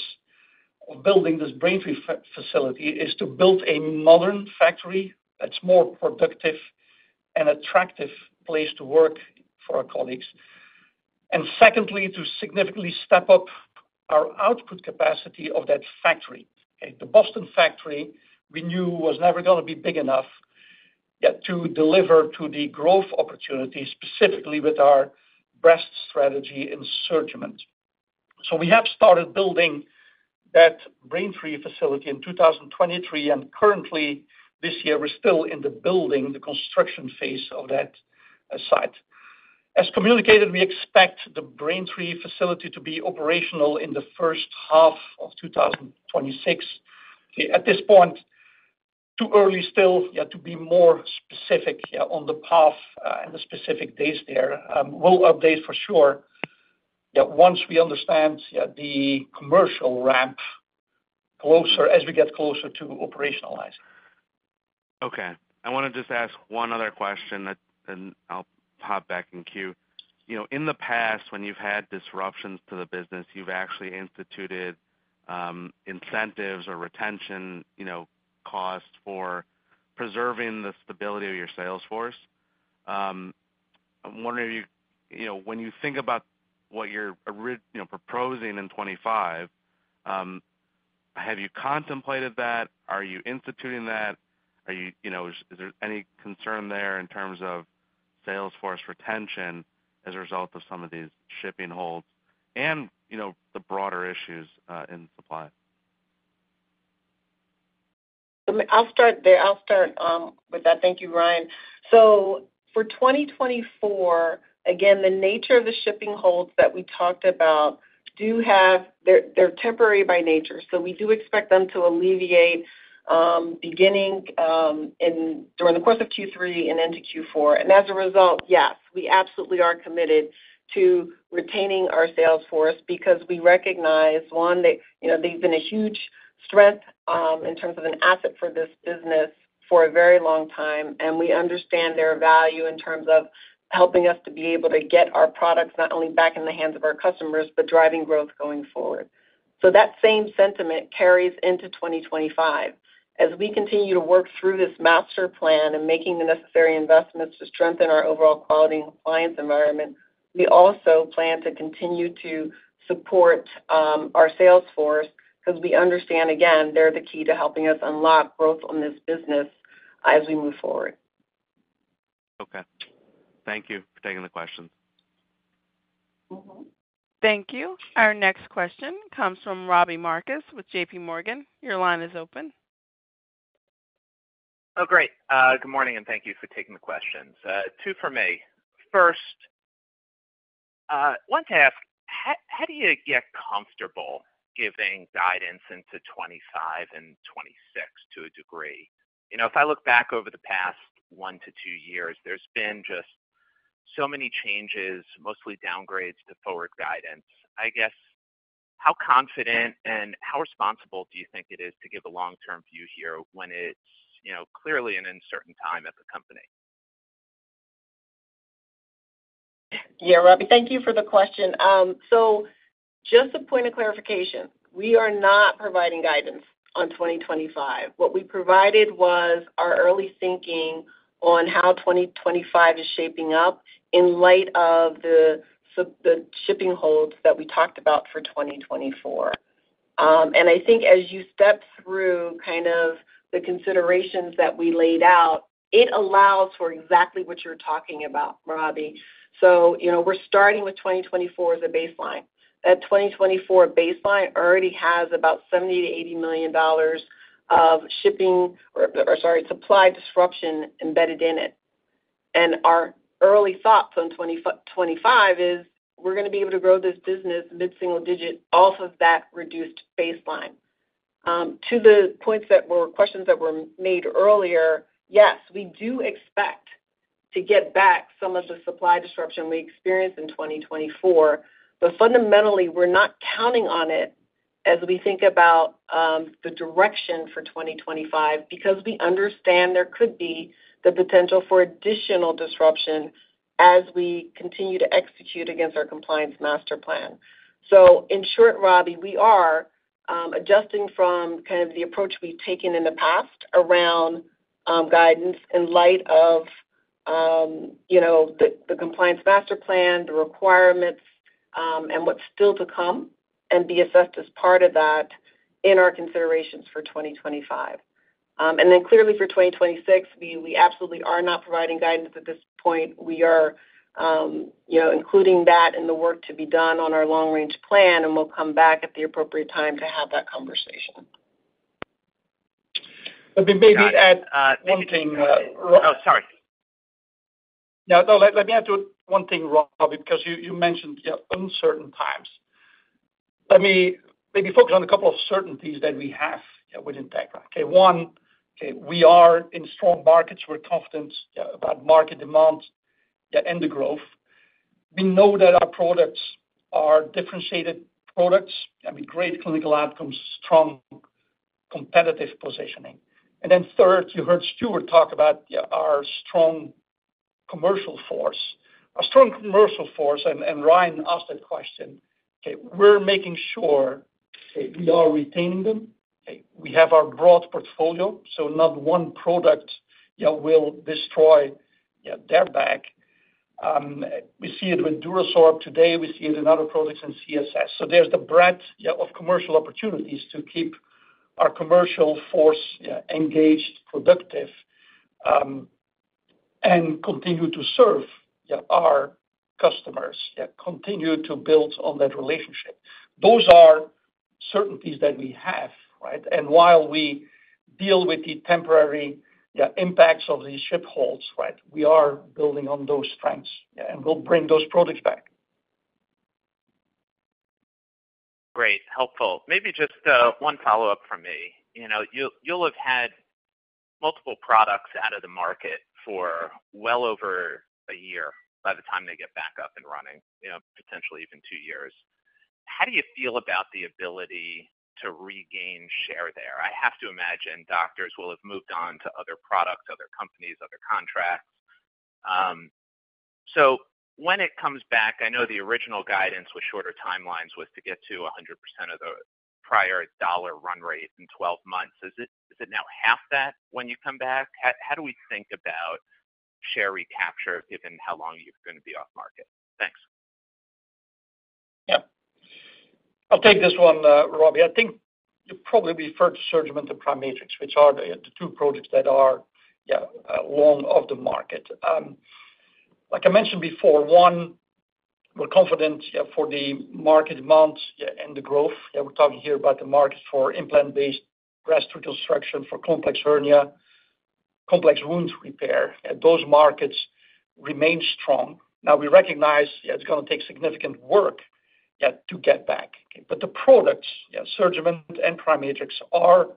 Speaker 4: of building this Braintree facility, is to build a modern factory that's more productive and attractive place to work for our colleagues. And secondly, to significantly step up our output capacity of that factory, okay? The Boston factory, we knew, was never gonna be big enough, yeah, to deliver to the growth opportunity, specifically with our breast strategy in SurgiMend. So we have started building that Braintree facility in 2023, and currently, this year, we're still in the building, the construction phase of that site. As communicated, we expect the Braintree facility to be operational in the first half of 2026. At this point, too early still, to be more specific, on the path, and the specific dates there. We'll update for sure, once we understand the commercial ramp closer, as we get closer to operationalizing.
Speaker 9: Okay, I want to just ask one other question that, and I'll pop back in queue. You know, in the past, when you've had disruptions to the business, you've actually instituted incentives or retention, you know, costs for preserving the stability of your sales force. I'm wondering, you know, when you think about what you're proposing in 2025, have you contemplated that? Are you instituting that? Are you, you know, is there any concern there in terms of-... sales force retention as a result of some of these shipping holds and, you know, the broader issues in supply?
Speaker 5: I'll start there. I'll start with that. Thank you, Ryan. So for 2024, again, the nature of the shipping holds that we talked about do have. They're, they're temporary by nature, so we do expect them to alleviate beginning during the course of Q3 and into Q4. And as a result, yes, we absolutely are committed to retaining our sales force because we recognize, one, that, you know, they've been a huge strength in terms of an asset for this business for a very long time, and we understand their value in terms of helping us to be able to get our products not only back in the hands of our customers, but driving growth going forward. So that same sentiment carries into 2025. As we continue to work through this master plan and making the necessary investments to strengthen our overall quality and compliance environment, we also plan to continue to support our sales force because we understand, again, they're the key to helping us unlock growth on this business as we move forward.
Speaker 9: Okay. Thank you for taking the question.
Speaker 1: Thank you. Our next question comes from Robbie Marcus with JPMorgan. Your line is open.
Speaker 10: Oh, great. Good morning, and thank you for taking the questions. Two for me. First, wanted to ask, how do you get comfortable giving guidance into 2025 and 2026 to a degree? You know, if I look back over the past one to two years, there's been just so many changes, mostly downgrades to forward guidance. I guess, how confident and how responsible do you think it is to give a long-term view here when it's, you know, clearly an uncertain time at the company?
Speaker 5: Yeah, Robbie, thank you for the question. So just a point of clarification, we are not providing guidance on 2025. What we provided was our early thinking on how 2025 is shaping up in light of the shipping holds that we talked about for 2024. And I think as you step through kind of the considerations that we laid out, it allows for exactly what you're talking about, Robbie. So, you know, we're starting with 2024 as a baseline. That 2024 baseline already has about $70 million-$80 million of shipping or, sorry, supply disruption embedded in it. And our early thoughts on 2025 is we're gonna be able to grow this business mid-single digit off of that reduced baseline. To the points that were questions that were made earlier, yes, we do expect to get back some of the supply disruption we experienced in 2024, but fundamentally, we're not counting on it as we think about the direction for 2025, because we understand there could be the potential for additional disruption as we continue to execute against our Compliance Master Plan. So in short, Robbie, we are adjusting from kind of the approach we've taken in the past around guidance in light of, you know, the Compliance Master Plan, the requirements, and what's still to come and be assessed as part of that in our considerations for 2025. And then clearly for 2026, we absolutely are not providing guidance at this point. We are, you know, including that in the work to be done on our long-range plan, and we'll come back at the appropriate time to have that conversation.
Speaker 4: Let me maybe add, one thing-
Speaker 10: Oh, sorry.
Speaker 4: No, no, let me add to it one thing, Robbie, because you mentioned, yeah, uncertain times. Let me maybe focus on a couple of certainties that we have, yeah, within Integra. Okay, one, okay, we are in strong markets. We're confident about market demand, yeah, and the growth. We know that our products are differentiated products. I mean, great clinical outcomes, strong competitive positioning. And then third, you heard Stuart talk about, yeah, our strong commercial force. Our strong commercial force, and Ryan asked that question, okay, we're making sure, okay, we are retaining them, okay? We have our broad portfolio, so not one product, yeah, will destroy, yeah, their back. We see it with DuraSorb today, we see it in other products in CSS. So there's the breadth, yeah, of commercial opportunities to keep our commercial force, yeah, engaged, productive, and continue to serve, yeah, our customers, yeah, continue to build on that relationship. Those are certainties that we have, right? And while we deal with the temporary, yeah, impacts of these ship holds, right, we are building on those strengths, yeah, and we'll bring those products back.
Speaker 10: Great, helpful. Maybe just one follow-up from me. You know, you'll, you'll have had multiple products out of the market for well over a year by the time they get back up and running, you know, potentially even two years. How do you feel about the ability to regain share there? I have to imagine doctors will have moved on to other products, other companies, other contracts. So when it comes back, I know the original guidance with shorter timelines was to get to 100% of the prior dollar run rate in 12 months. Is it, is it now half that when you come back? How, how do we think about share recapture, given how long you're gonna be off market? Thanks....
Speaker 4: Yeah, I'll take this one, Robbie. I think you probably referred to SurgiMend and PriMatrix, which are the two products that are long on the market. Like I mentioned before, we're confident for the market demands and the growth. Yeah, we're talking here about the market for implant-based breast reconstruction, for complex hernia, complex wounds repair. Those markets remain strong. Now, we recognize it's gonna take significant work to get back. But the products, SurgiMend and PriMatrix, are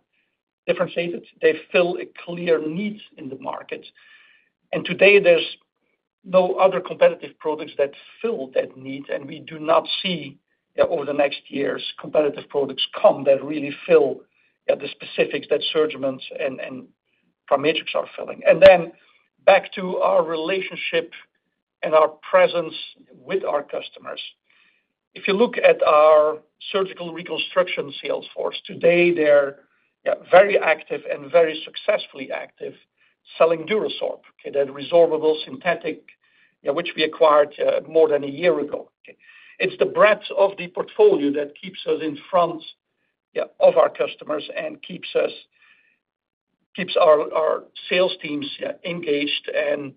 Speaker 4: differentiated. They fill a clear need in the market, and today there's no other competitive products that fill that need, and we do not see that over the next years, competitive products come that really fill the specifics that SurgiMend and PriMatrix are filling. And then back to our relationship and our presence with our customers. If you look at our surgical reconstruction sales force, today, they're, yeah, very active and very successfully active, selling DuraSorb, okay? That resorbable synthetic, yeah, which we acquired more than a year ago, okay. It's the breadth of the portfolio that keeps us in front, yeah, of our customers and keeps our sales teams, yeah, engaged and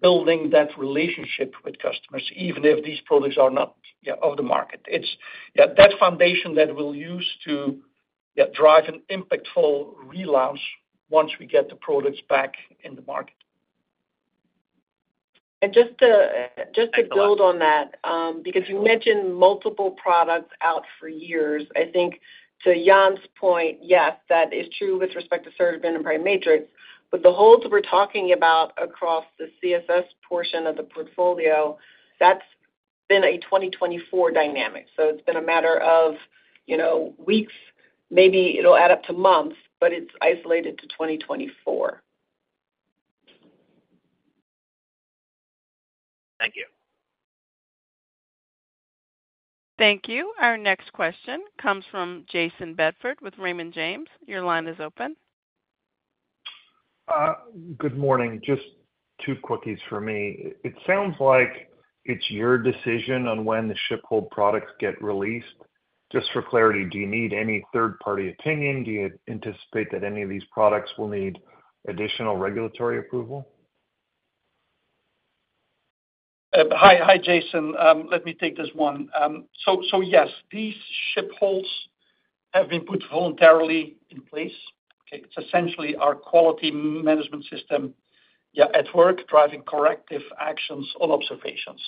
Speaker 4: building that relationship with customers, even if these products are not, yeah, on the market. It's, yeah, that foundation that we'll use to, yeah, drive an impactful relaunch once we get the products back in the market.
Speaker 5: And just to, just to build on that, because you mentioned multiple products out for years. I think to Jan's point, yes, that is true with respect to SurgiMend and PriMatrix, but the holds we're talking about across the CSS portion of the portfolio, that's been a 2024 dynamic. So it's been a matter of, you know, weeks, maybe it'll add up to months, but it's isolated to 2024.
Speaker 10: Thank you.
Speaker 1: Thank you. Our next question comes from Jason Bedford with Raymond James. Your line is open.
Speaker 11: Good morning. Just two quickies for me. It sounds like it's your decision on when the ship hold products get released. Just for clarity, do you need any third-party opinion? Do you anticipate that any of these products will need additional regulatory approval?
Speaker 4: Hi, Jason. Let me take this one. So yes, these ship holds have been put voluntarily in place, okay? It's essentially our quality management system at work, driving corrective actions on observations.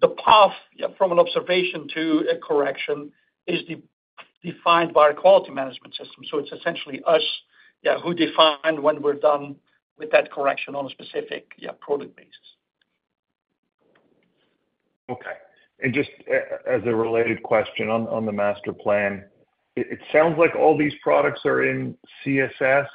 Speaker 4: The path from an observation to a correction is defined by our quality management system. So it's essentially us who define when we're done with that correction on a specific product basis.
Speaker 11: Okay. And just as a related question on the master plan, it sounds like all these products are in CSS.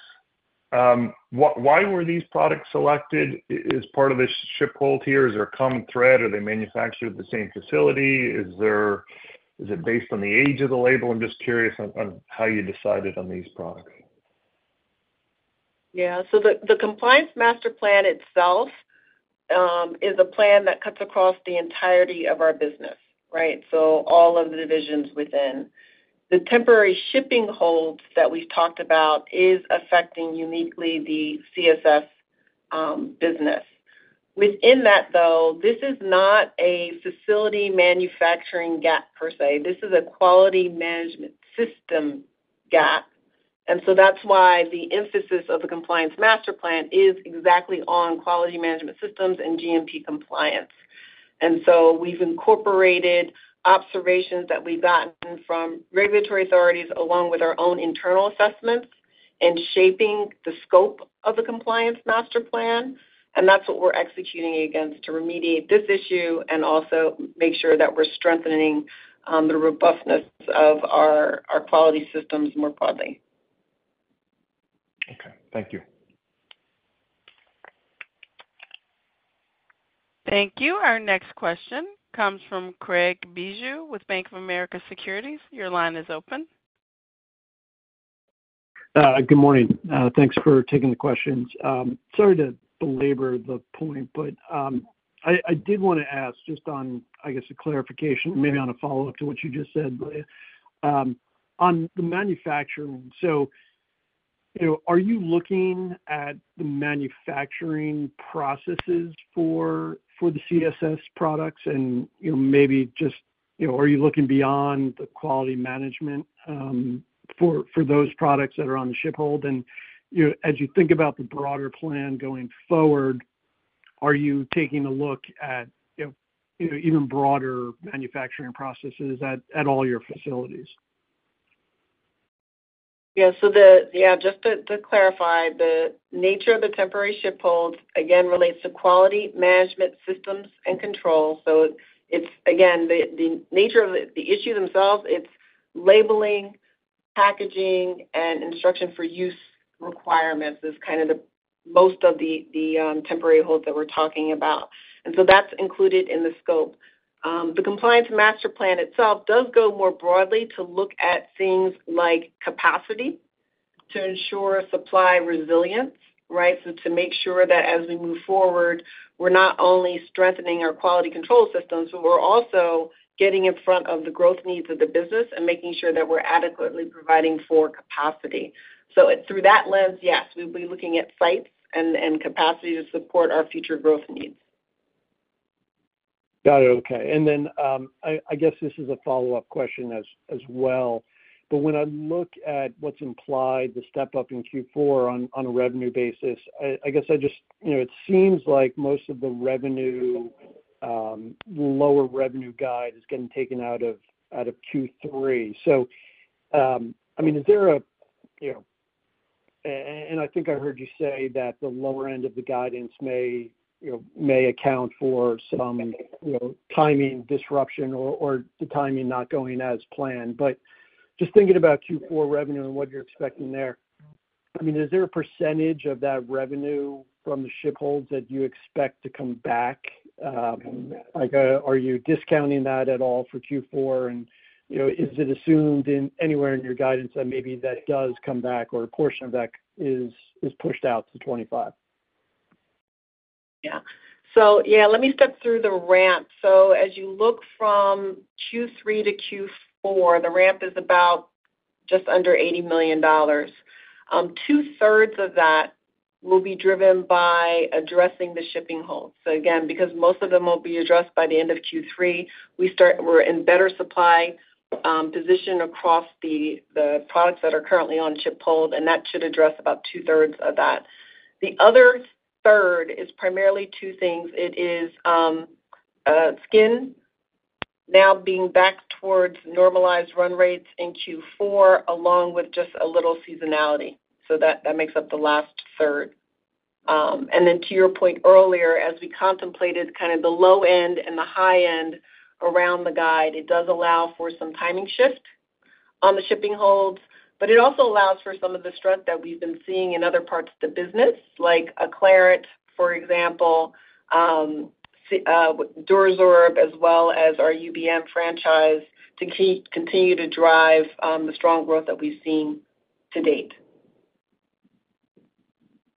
Speaker 11: Why were these products selected as part of this ship hold here? Is there a common thread? Are they manufactured at the same facility? Is it based on the age of the label? I'm just curious on how you decided on these products.
Speaker 5: Yeah. So the Compliance Master Plan itself is a plan that cuts across the entirety of our business, right? So all of the divisions within. The temporary shipping holds that we've talked about is affecting uniquely the CSS business. Within that, though, this is not a facility manufacturing gap per se. This is a quality management system gap, and so that's why the emphasis of the Compliance Master Plan is exactly on quality management systems and GMP compliance. And so we've incorporated observations that we've gotten from regulatory authorities, along with our own internal assessments in shaping the scope of the Compliance Master Plan, and that's what we're executing against to remediate this issue and also make sure that we're strengthening the robustness of our quality systems more broadly.
Speaker 11: Okay, thank you.
Speaker 1: Thank you. Our next question comes from Craig Bijou with Bank of America Securities. Your line is open.
Speaker 12: Good morning. Thanks for taking the questions. Sorry to belabor the point, but I did wanna ask just on, I guess, a clarification, maybe on a follow-up to what you just said, Lea. On the manufacturing, so, you know, are you looking at the manufacturing processes for the CSS products? And, you know, maybe just, you know, are you looking beyond the quality management for those products that are on the ship hold? And, you know, as you think about the broader plan going forward, are you looking at, you know, even broader manufacturing processes at all your facilities?
Speaker 5: Yeah, so yeah, just to, to clarify, the nature of the temporary ship holds, again, relates to quality management systems and controls. So it's, again, the, the nature of the, the issue themselves, it's labeling, packaging, and Instructions for Use requirements is kind of the most of the, the, temporary holds that we're talking about, and so that's included in the scope. The Compliance Master Plan itself does go more broadly to look at things like capacity to ensure supply resilience, right? So to make sure that as we move forward, we're not only strengthening our quality control systems, but we're also getting in front of the growth needs of the business and making sure that we're adequately providing for capacity. So through that lens, yes, we'll be looking at sites and, and capacity to support our future growth needs.
Speaker 12: Got it. Okay. And then, I guess this is a follow-up question as well, but when I look at what's implied, the step-up in Q4 on a revenue basis, I guess I just—you know, it seems like most of the revenue lower revenue guide is getting taken out of Q3. So, I mean, is there a—you know—and I think I heard you say that the lower end of the guidance may, you know, may account for some, you know, timing disruption or the timing not going as planned. But just thinking about Q4 revenue and what you're expecting there, I mean, is there a percentage of that revenue from the ship holds that you expect to come back? Like, are you discounting that at all for Q4? You know, is it assumed anywhere in your guidance that maybe that does come back or a portion of that is pushed out to 25?
Speaker 5: Yeah. So yeah, let me step through the ramp. So as you look from Q3 to Q4, the ramp is about just under $80 million. Two-thirds of that will be driven by addressing the shipping holds. So again, because most of them will be addressed by the end of Q3, we're in better supply position across the products that are currently on ship hold, and that should address about 2/3 of that. The other third is primarily two things. It is, Skin now being back towards normalized run rates in Q4, along with just a little seasonality. So that makes up the last third. And then to your point earlier, as we contemplated kind of the low end and the high end around the guide, it does allow for some timing shift on the shipping holds, but it also allows for some of the strength that we've been seeing in other parts of the business, like Acclarent, for example, DuraSorb, as well as our UBM franchise, to continue to drive the strong growth that we've seen to date.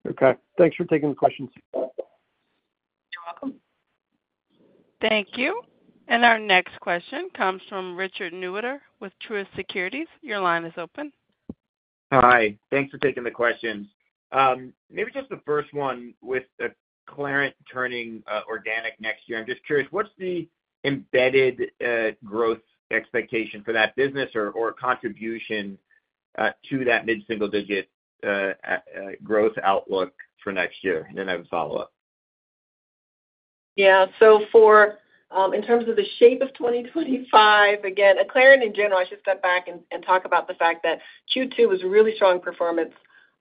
Speaker 12: Okay. Thanks for taking the questions.
Speaker 5: You're welcome.
Speaker 1: Thank you. Our next question comes from Richard Newitter with Truist Securities. Your line is open.
Speaker 13: Hi, thanks for taking the questions. Maybe just the first one with the Acclarent turning organic next year. I'm just curious, what's the embedded growth expectation for that business or, or contribution to that mid-single digit growth outlook for next year? And then I have a follow-up.
Speaker 5: Yeah. So for in terms of the shape of 2025, again, Acclarent in general, I should step back and and talk about the fact that Q2 was a really strong performance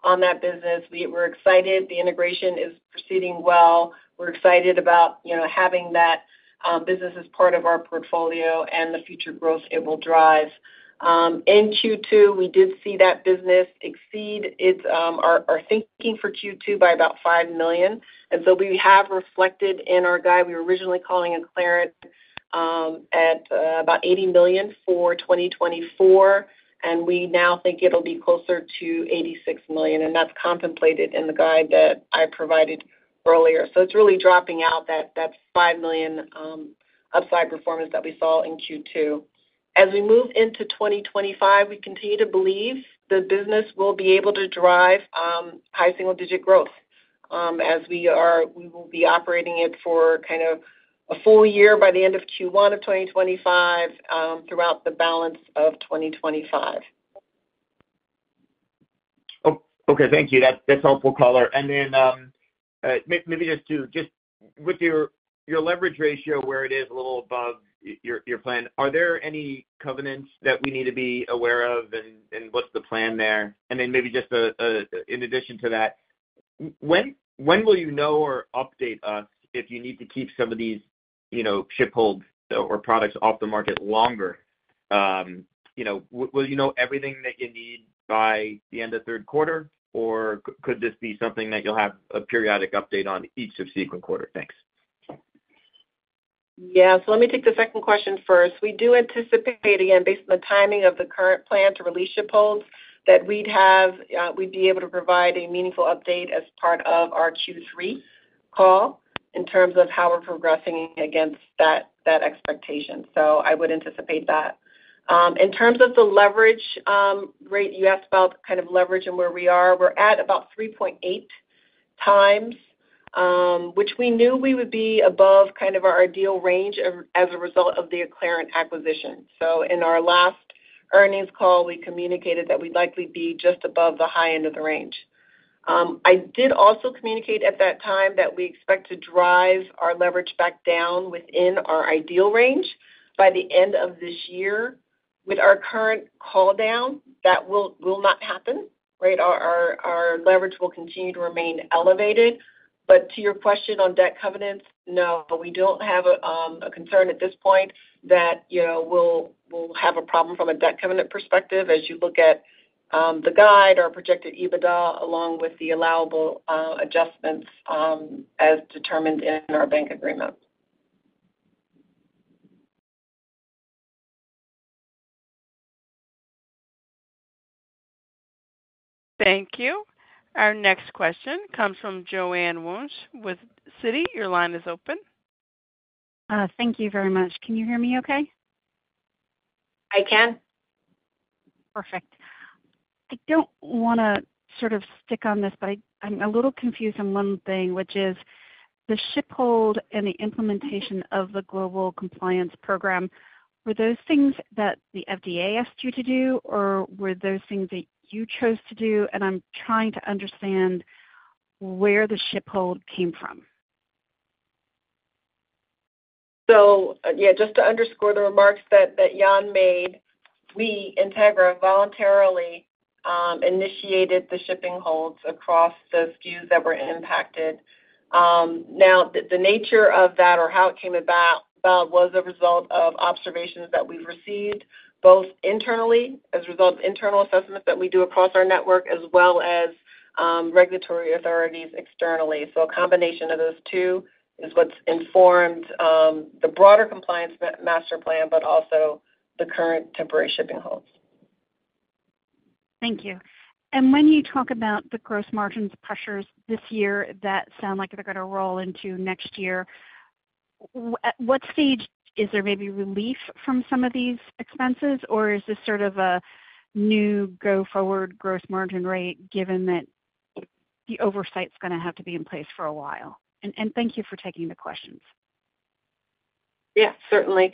Speaker 5: on that business. We're excited the integration is proceeding well. We're excited about, you know, having that business as part of our portfolio and the future growth it will drive. In Q2, we did see that business exceed its our thinking for Q2 by about $5 million. And so we have reflected in our guide. We were originally calling Acclarent at about $80 million for 2024, and we now think it'll be closer to $86 million, and that's contemplated in the guide that I provided earlier. So it's really dropping out that that $5 million upside performance that we saw in Q2. As we move into 2025, we continue to believe the business will be able to drive high single digit growth, as we will be operating it for kind of a full year by the end of Q1 of 2025, throughout the balance of 2025.
Speaker 13: Oh, okay. Thank you. That's, that's helpful color. And then, maybe just with your, your leverage ratio, where it is a little above your, your plan, are there any covenants that we need to be aware of, and, and what's the plan there? And then maybe just a, a, in addition to that, when, when will you know or update us if you need to keep some of these, you know, ship holds or products off the market longer? You know, will you know everything that you need by the end of third quarter, or could this be something that you'll have a periodic update on each subsequent quarter? Thanks.
Speaker 5: Yeah. So let me take the second question first. We do anticipate, again, based on the timing of the current plan to release ship holds, that we'd have-- we'd be able to provide a meaningful update as part of our Q3 call in terms of how we're progressing against that, that expectation. So I would anticipate that. In terms of the leverage rate, you asked about kind of leverage and where we are. We're at about 3.8x, which we knew we would be above kind of our ideal range of, as a result of the Acclarent acquisition. So in our last earnings call, we communicated that we'd likely be just above the high end of the range. I did also communicate at that time that we expect to drive our leverage back down within our ideal range by the end of this year. With our current call down, that will not happen, right? Our leverage will continue to remain elevated. But to your question on debt covenants, no, we don't have a concern at this point that, you know, we'll have a problem from a debt covenant perspective as you look at the guide, our projected EBITDA, along with the allowable adjustments, as determined in our bank agreement.
Speaker 1: Thank you. Our next question comes from Joanne Wuensch with Citi. Your line is open.
Speaker 14: Thank you very much. Can you hear me okay?
Speaker 5: I can.
Speaker 14: Perfect. I don't wanna sort of stick on this, but I'm a little confused on one thing, which is the ship hold and the implementation of the global compliance program. Were those things that the FDA asked you to do, or were those things that you chose to do? And I'm trying to understand where the ship hold came from.
Speaker 5: So yeah, just to underscore the remarks that Jan made, we, Integra, voluntarily initiated the shipping holds across the SKUs that were impacted. Now, the nature of that or how it came about was a result of observations that we received, both internally as a result of internal assessments that we do across our network, as well as regulatory authorities externally. So a combination of those two is what's informed the broader Compliance Master Plan, but also the current temporary shipping holds.
Speaker 14: Thank you. When you talk about the gross margin pressures this year, that sounds like they're gonna roll into next year, what stage is there maybe relief from some of these expenses, or is this sort of a new go-forward gross margin rate, given that the oversight's gonna have to be in place for a while? And thank you for taking the questions.
Speaker 5: Yeah, certainly.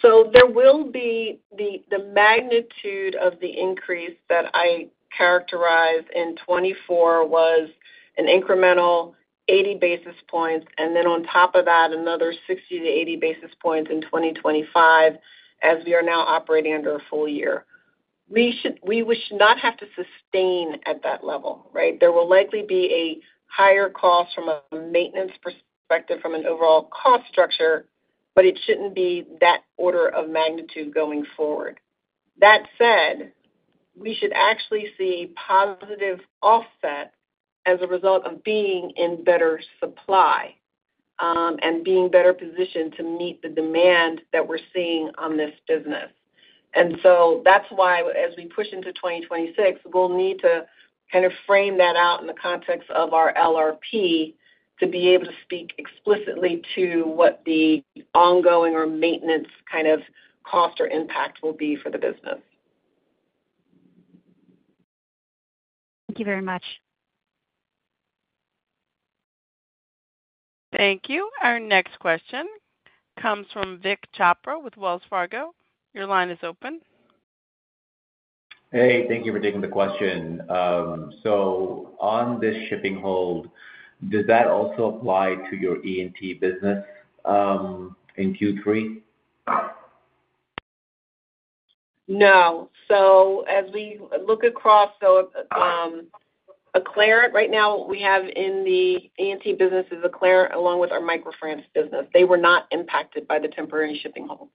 Speaker 5: So there will be the magnitude of the increase that I characterized in 2024 was an incremental 80 basis points, and then on top of that, another 60-80 basis points in 2025, as we are now operating under a full year. We should not have to sustain at that level, right? There will likely be a higher cost from a maintenance perspective, from an overall cost structure, but it shouldn't be that order of magnitude going forward. That said, we should actually see positive offset as a result of being in better supply, and being better positioned to meet the demand that we're seeing on this business. So that's why, as we push into 2026, we'll need to kind of frame that out in the context of our LRP, to be able to speak explicitly to what the ongoing or maintenance kind of cost or impact will be for the business.
Speaker 14: Thank you very much.
Speaker 1: Thank you. Our next question comes from Vik Chopra with Wells Fargo. Your line is open.
Speaker 15: Hey, thank you for taking the question. So on this shipping hold, does that also apply to your ENT business in Q3?
Speaker 5: No. So as we look across, Acclarent, right now, we have in the ENT business, Acclarent, along with our MicroFrance business. They were not impacted by the temporary shipping hold.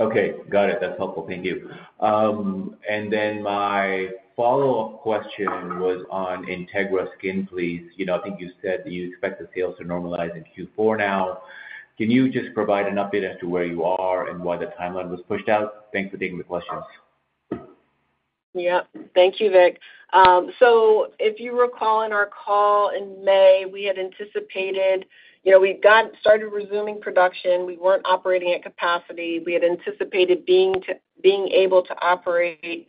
Speaker 15: Okay, got it. That's helpful. Thank you. And then my follow-up question was on Integra Skin, please. You know, I think you said that you expect the sales to normalize in Q4 now. Can you just provide an update as to where you are and why the timeline was pushed out? Thanks for taking the questions.
Speaker 5: Yep. Thank you, Vik. So if you recall, in our call in May, we had anticipated. You know, we've got started resuming production. We weren't operating at capacity. We had anticipated being able to operate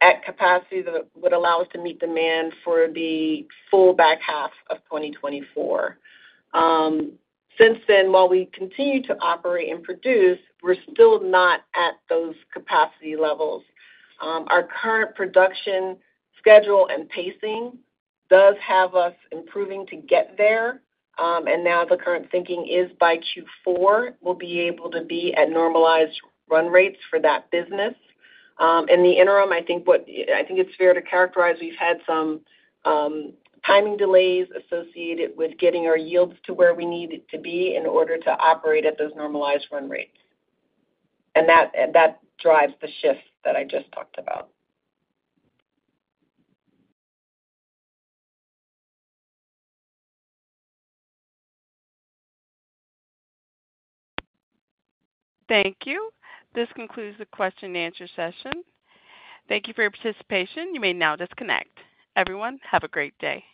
Speaker 5: at capacity that would allow us to meet demand for the full back half of 2024. Since then, while we continue to operate and produce, we're still not at those capacity levels. Our current production schedule and pacing does have us improving to get there, and now the current thinking is by Q4, we'll be able to be at normalized run rates for that business. In the interim, I think it's fair to characterize, we've had some timing delays associated with getting our yields to where we need it to be in order to operate at those normalized run rates. And that drives the shift that I just talked about.
Speaker 1: Thank you. This concludes the question and answer session. Thank you for your participation. You may now disconnect. Everyone, have a great day.